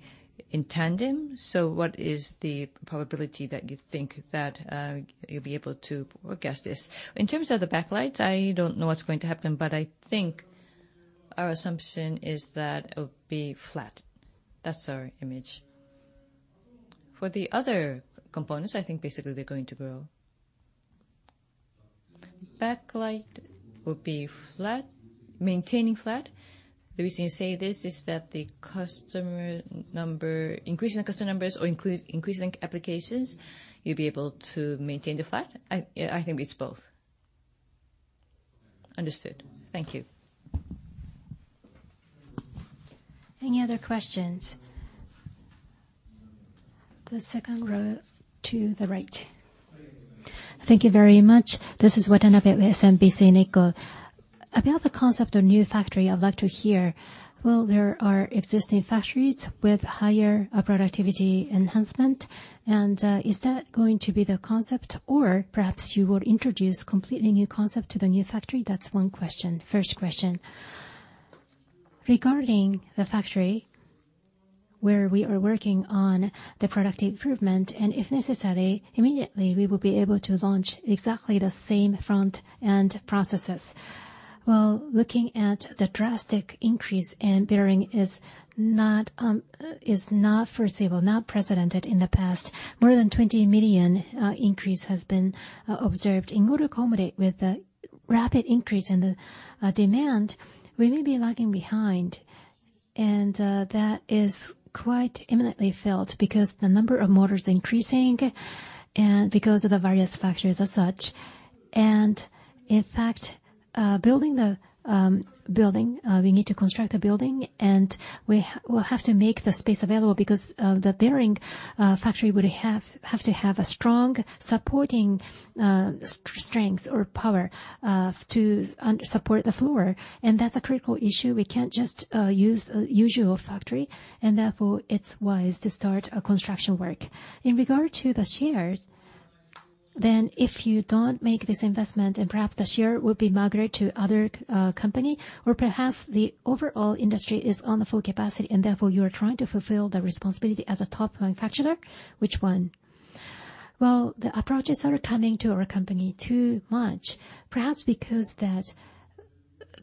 tandem? What is the probability that you think that you'll be able to forecast this? In terms of the backlights, I don't know what's going to happen, but I think our assumption is that it'll be flat. That's our image. For the other components, I think basically they're going to grow. Backlight will be flat, maintaining flat. The reason you say this is that the customer number, increasing the customer numbers or increasing applications, you'll be able to maintain the flat? I think it's both. Understood. Thank you. Any other questions? The second row to the right. Thank you very much. This is Watanabe with SMBC Nikko. About the concept of new factory, I'd like to hear. There are existing factories with higher productivity enhancement, and is that going to be the concept, or perhaps you will introduce completely new concept to the new factory? That's one question. First question. Regarding the factory where we are working on the product improvement, and if necessary, immediately we will be able to launch exactly the same front-end processes. Looking at the drastic increase in bearing is not foreseeable, not precedented in the past. More than 20 million increase has been observed. In order to accommodate with the rapid increase in the demand, we may be lagging behind, and that is quite imminently felt because the number of motors increasing and because of the various factors as such. In fact, building the building, we need to construct a building, and we'll have to make the space available because the bearing factory would have to have a strong supporting strength or power to support the floor. That's a critical issue. We can't just use a usual factory and therefore it's wise to start a construction work. In regard to the shares, if you don't make this investment and perhaps the share will be migrate to other company or perhaps the overall industry is on the full capacity and therefore you are trying to fulfill the responsibility as a top manufacturer, which one? The approaches are coming to our company too much, perhaps because that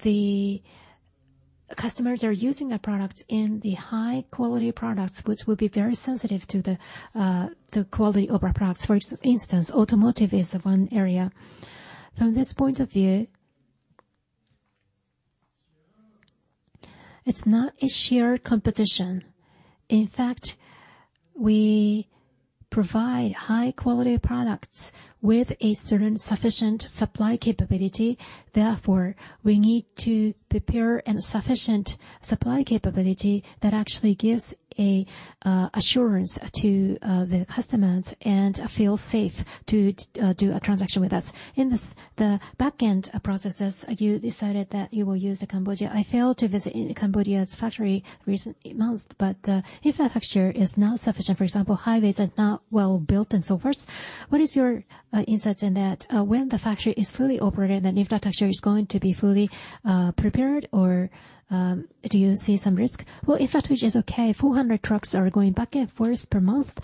the customers are using our products in the high-quality products, which will be very sensitive to the quality of our products. For instance, automotive is one area. From this point of view, it's not a sheer competition. In fact, we provide high-quality products with a certain sufficient supply capability. We need to prepare a sufficient supply capability that actually gives assurance to the customers, and feel safe to do a transaction with us. In the back-end processes, you decided that you will use the Cambodia. If infrastructure is not sufficient, for example, highways are not well-built and so forth, what is your insights in that? When the factory is fully operated, infrastructure is going to be fully prepared or do you see some risk? Well, infrastructure is okay. 400 trucks are going back and forth per month,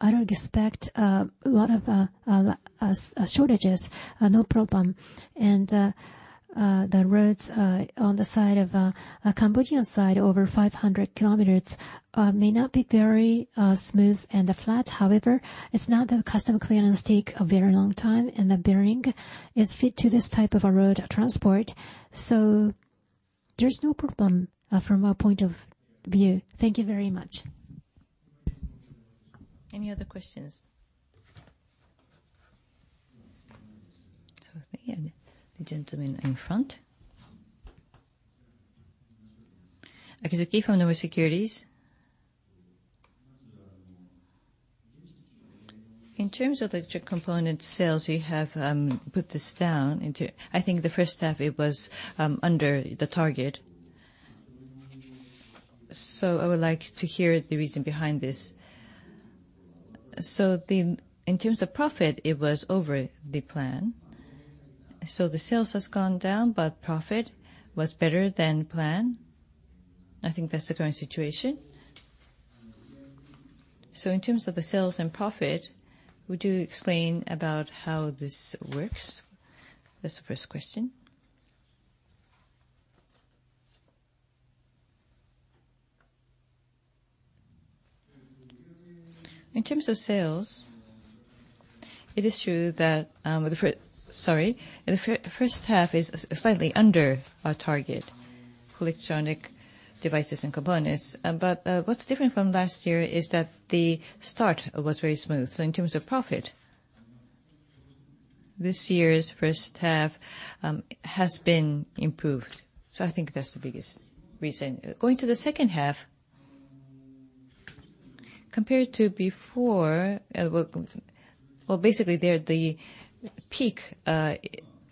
I don't expect a lot of shortages. No problem. The roads on the Cambodian side, over 500 kilometers, may not be very smooth and flat. It's not that custom clearance take a very long time, and the bearing is fit to this type of a road transport, there's no problem from our point of view. Thank you very much. Any other questions? Okay, the gentleman in front. Akizuki from Nomura Securities. In terms of electric component sales, you have put this down into I think the first half it was under the target. I would like to hear the reason behind this. In terms of profit, it was over the plan. The sales has gone down, but profit was better than planned. I think that's the current situation. In terms of the sales and profit, would you explain about how this works? That's the first question. In terms of sales, it is true that Sorry, the first half is slightly under our target, Electronic Devices and Components. What's different from last year is that the start was very smooth. In terms of profit, this year's first half has been improved. I think that's the biggest reason. Going to the second half, compared to before, well, basically, the peak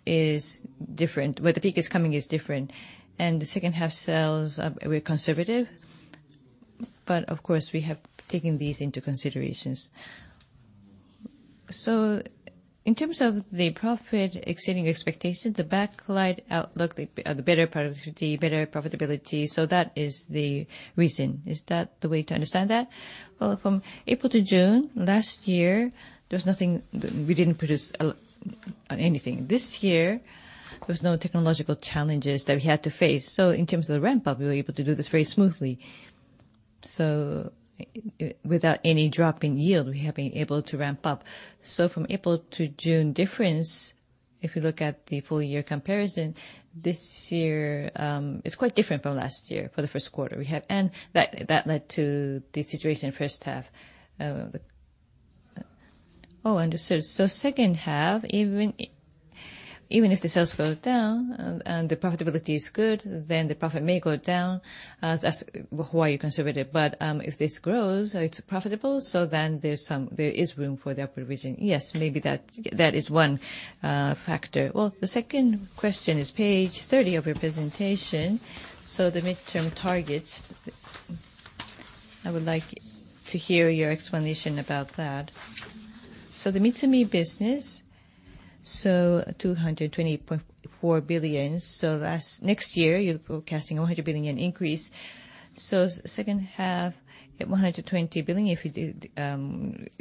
is different. Where the peak is coming is different. The second half sales were conservative, but of course we have taken these into considerations. In terms of the profit exceeding expectations, the backlight outlook, the better productivity, better profitability, that is the reason. Is that the way to understand that? From April to June last year, we didn't produce anything. This year, there was no technological challenges that we had to face. In terms of the ramp-up, we were able to do this very smoothly. Without any drop in yield, we have been able to ramp up. From April to June difference, if you look at the full year comparison, this year is quite different from last year for the first quarter. That led to the situation first half. Understood. Second half, even if the sales go down and the profitability is good, then the profit may go down. That's why you're conservative. If this grows, it's profitable, then there is room for the upper region. Yes, maybe that is one factor. Well, the second question is page 30 of your presentation. The midterm targets, I would like to hear your explanation about that. The MITSUMI business, 220.4 billion. Next year, you're forecasting 100 billion increase. Second half, at 120 billion, if you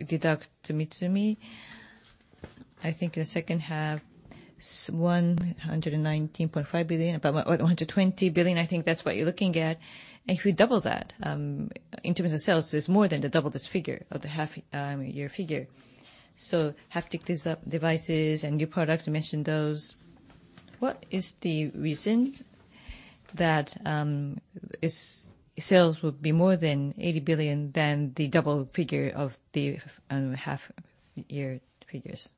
deduct MITSUMI, I think in the second half, 119.5 billion, about 120 billion, I think that's what you're looking at. If you double that, in terms of sales, there's more than double this figure of the half-year figure. Haptic devices and new products, you mentioned those. What is the reason? That sales would be more than 80 billion, then the double figure of the half-year figures.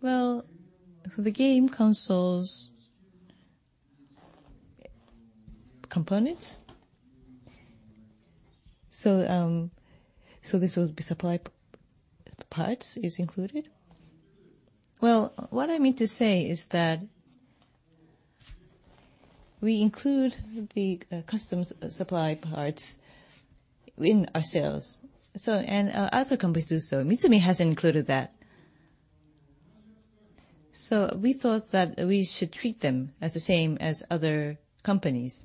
Well, for the game consoles components, this will be supply parts is included. Well, what I mean to say is that we include the custom supply parts in our sales. Other companies do so. MITSUMI hasn't included that. We thought that we should treat them as the same as other companies.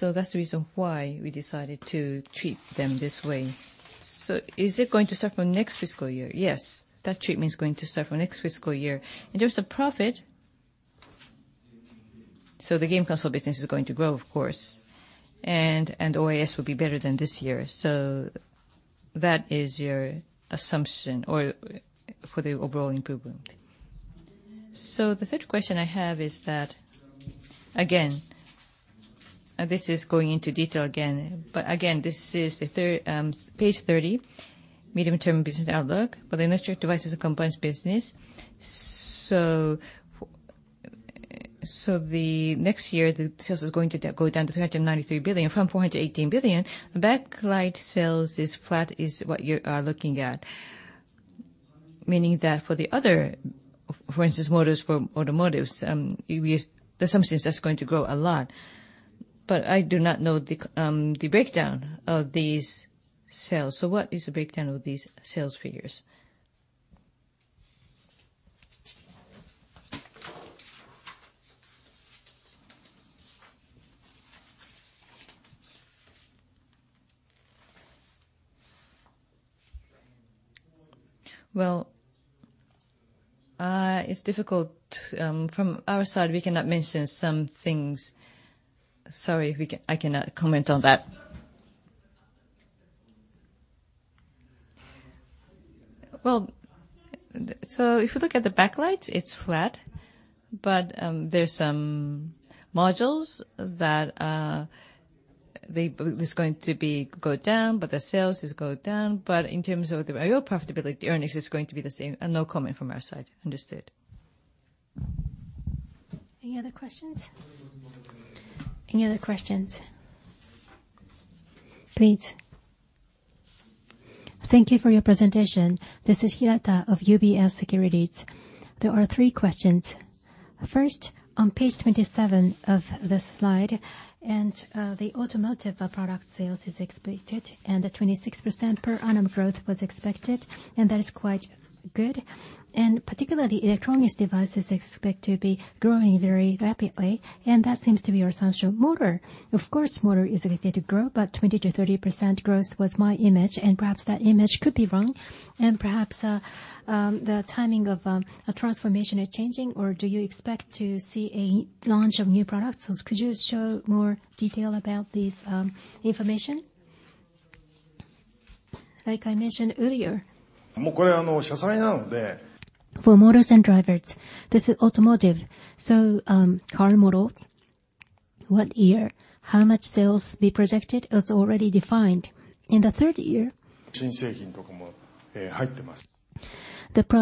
That's the reason why we decided to treat them this way. Is it going to start from next fiscal year? Yes. That treatment is going to start from next fiscal year. It shows a profit, the game console business is going to grow, of course, OA will be better than this year. That is your assumption or for the overall improvement. The third question I have is that, again, this is going into detail again, but again, this is page 30, medium-term business outlook for the Electronic Devices and Components business. The next year, the sales is going to go down to 393 billion from 418 billion. Backlight sales is flat, is what you are looking at. Meaning that for the other, for instance, motors for automotive, the assumption is that's going to grow a lot. I do not know the breakdown of these sales. What is the breakdown of these sales figures? Well, it's difficult. From our side, we cannot mention some things. Sorry, I cannot comment on that. If you look at the backlights, it's flat, there's some modules that is going to go down, the sales has gone down. In terms of the real profitability, the earnings is going to be the same and no comment from our side. Understood. Any other questions? Any other questions? Please. Thank you for your presentation. This is Hirata of UBS Securities. There are three questions. First, on page 27 of the slide, the automotive product sales is expected, a 26% per annum growth was expected, that is quite good. Particularly, Electronic Devices expect to be growing very rapidly, that seems to be your essential motor. Of course, motor is expected to grow, but 20%-30% growth was my image, perhaps that image could be wrong, perhaps the timing of a transformation is changing, or do you expect to see a launch of new products? Could you show more detail about this information? Like I mentioned earlier, for motors and drivers, this is automotive. Car models, what year, how much sales we projected is already defined. In the third year, the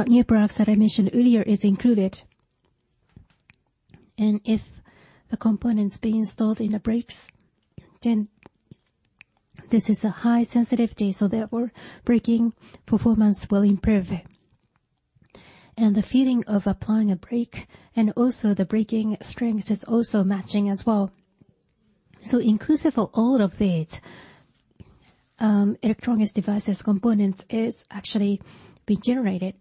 new products that I mentioned earlier is included. If the component's being installed in the brakes, this is a high sensitivity. Therefore, braking performance will improve. The feeling of applying a brake, also the braking strength is also matching as well. Inclusive of all of it, Electronic Devices and Components is actually being generated.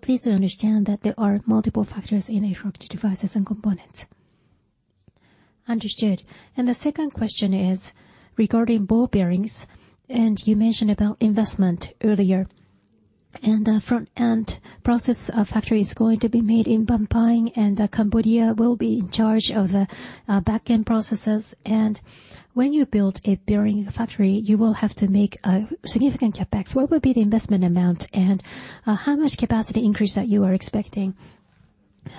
Please understand that there are multiple factors in Electronic Devices and Components. Understood. The second question is regarding ball bearings, you mentioned about investment earlier, the front-end process factory is going to be made in Bang Pa-in, and Cambodia will be in charge of the back-end processes. When you build a bearing factory, you will have to make a significant CapEx. What will be the investment amount and how much capacity increase that you are expecting?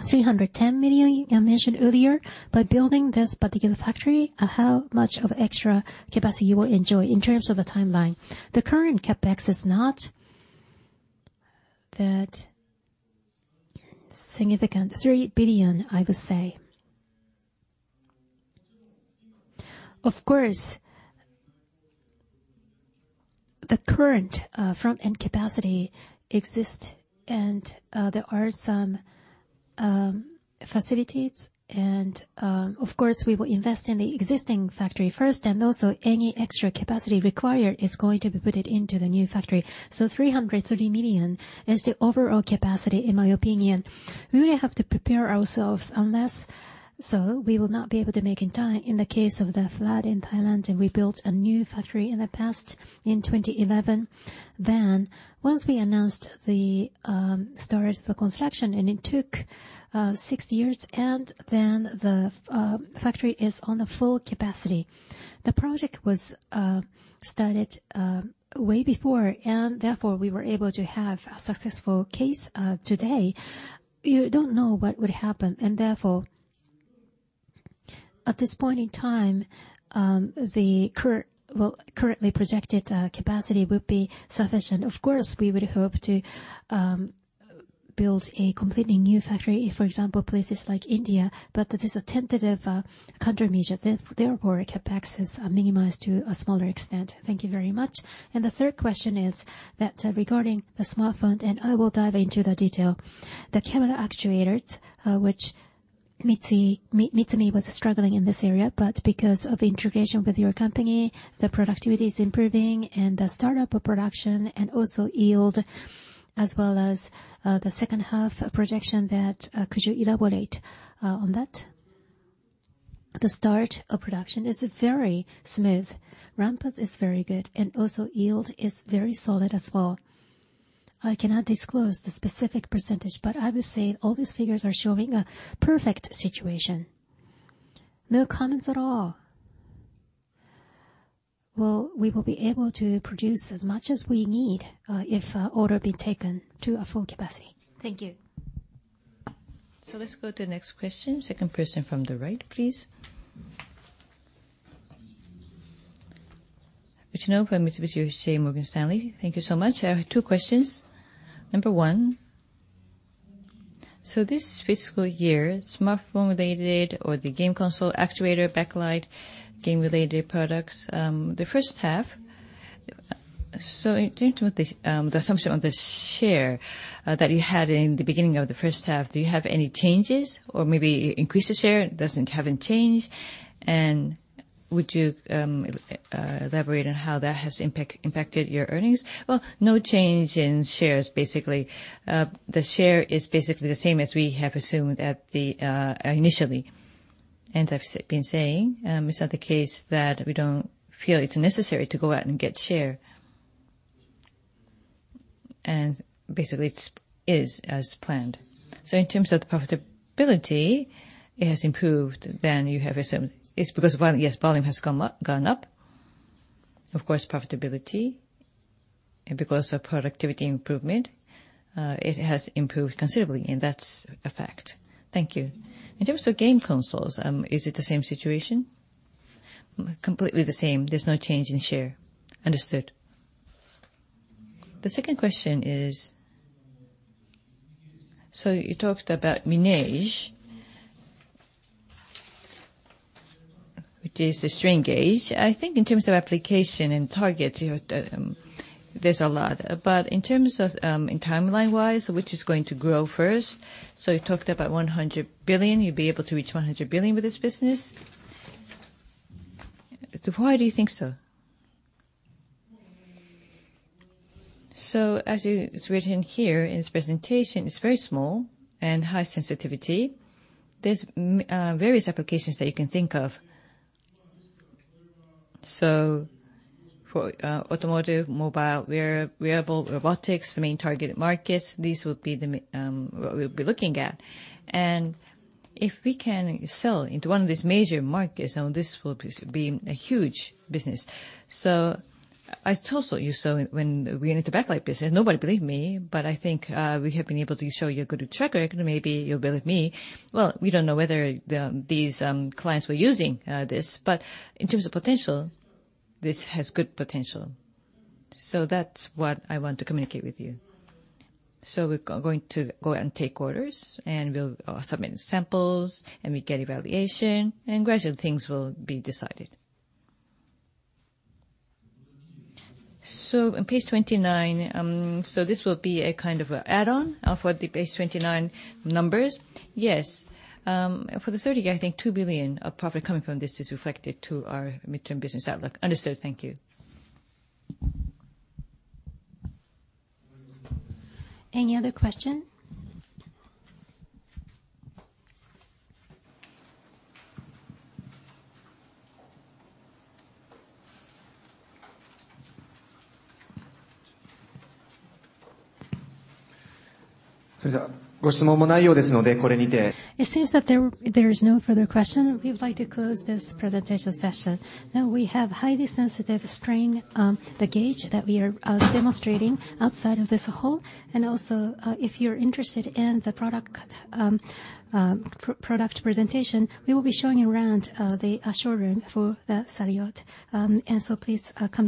310 million, I mentioned earlier, by building this particular factory, how much of extra capacity you will enjoy in terms of the timeline. The current CapEx is not that significant. 3 billion, I would say. Of course, the current front-end capacity exists, there are some facilities, of course, we will invest in the existing factory first, also any extra capacity required is going to be put into the new factory. 330 million is the overall capacity, in my opinion. We have to prepare ourselves, unless so, we will not be able to make in time in the case of the flood in Thailand, we built a new factory in the past in 2011. Once we announced the start of the construction and it took Six years, then the factory is on the full capacity. The project was started way before, therefore, we were able to have a successful case today. You don't know what would happen, therefore, at this point in time, the currently projected capacity would be sufficient. Of course, we would hope to build a completely new factory in, for example, places like India, but that is a tentative countermeasure. Therefore, CapEx is minimized to a smaller extent. Thank you very much. The third question is that regarding the smartphone, I will dive into the detail. The camera actuators, which MITSUMI was struggling in this area, because of integration with your company, the productivity is improving, the startup of production, also yield, as well as the second half projection, could you elaborate on that? The start of production is very smooth. Ramp up is very good, also yield is very solid as well. I cannot disclose the specific %, I would say all these figures are showing a perfect situation. No comments at all. Well, we will be able to produce as much as we need if order be taken to our full capacity. Thank you. Let's go to the next question. Second person from the right, please. Michino from Mitsubishi UFJ Morgan Stanley. Thank you so much. I have two questions. Number one, this fiscal year, smartphone related or the game console actuator, backlight, game related products, the first half. In terms of the assumption on the share that you had in the beginning of the first half, do you have any changes or maybe increase the share, doesn't haven't changed? Would you elaborate on how that has impacted your earnings? Well, no change in shares, basically. The share is basically the same as we have assumed initially. I've been saying, it's not the case that we don't feel it's necessary to go out and get share. Basically, it is as planned. In terms of the profitability, it has improved than you have assumed. It's because, yes, volume has gone up. Of course, profitability, because of productivity improvement, it has improved considerably, and that's a fact. Thank you. In terms of game consoles, is it the same situation? Completely the same. There's no change in share. Understood. The second question is, you talked about Minege, which is the strain gauge. I think in terms of application and targets, there's a lot. In terms of timeline wise, which is going to grow first? You talked about 100 billion, you'd be able to reach 100 billion with this business. Why do you think so? As it's written here in this presentation, it's very small and high sensitivity. There's various applications that you can think of. For automotive, mobile, wearable, robotics, the main targeted markets, these would be what we'll be looking at. If we can sell into one of these major markets, this will be a huge business. I told you so when we entered the backlight business, nobody believed me, but I think we have been able to show you a good track record, maybe you believe me. Well, we don't know whether these clients were using this, but in terms of potential, this has good potential. That's what I want to communicate with you. We're going to go and take orders, and we'll submit samples, and we get evaluation, and gradually things will be decided. On page 29, this will be a kind of an add-on for the page 29 numbers? Yes. For the third year, I think 2 billion of profit coming from this is reflected to our midterm business outlook. Understood. Thank you. Any other question? It seems that there is no further question. We would like to close this presentation session. Now we have highly sensitive strain, the gauge that we are demonstrating outside of this hall, and also if you're interested in the product presentation, we will be showing around the showroom for SALIOT. Please come and visit.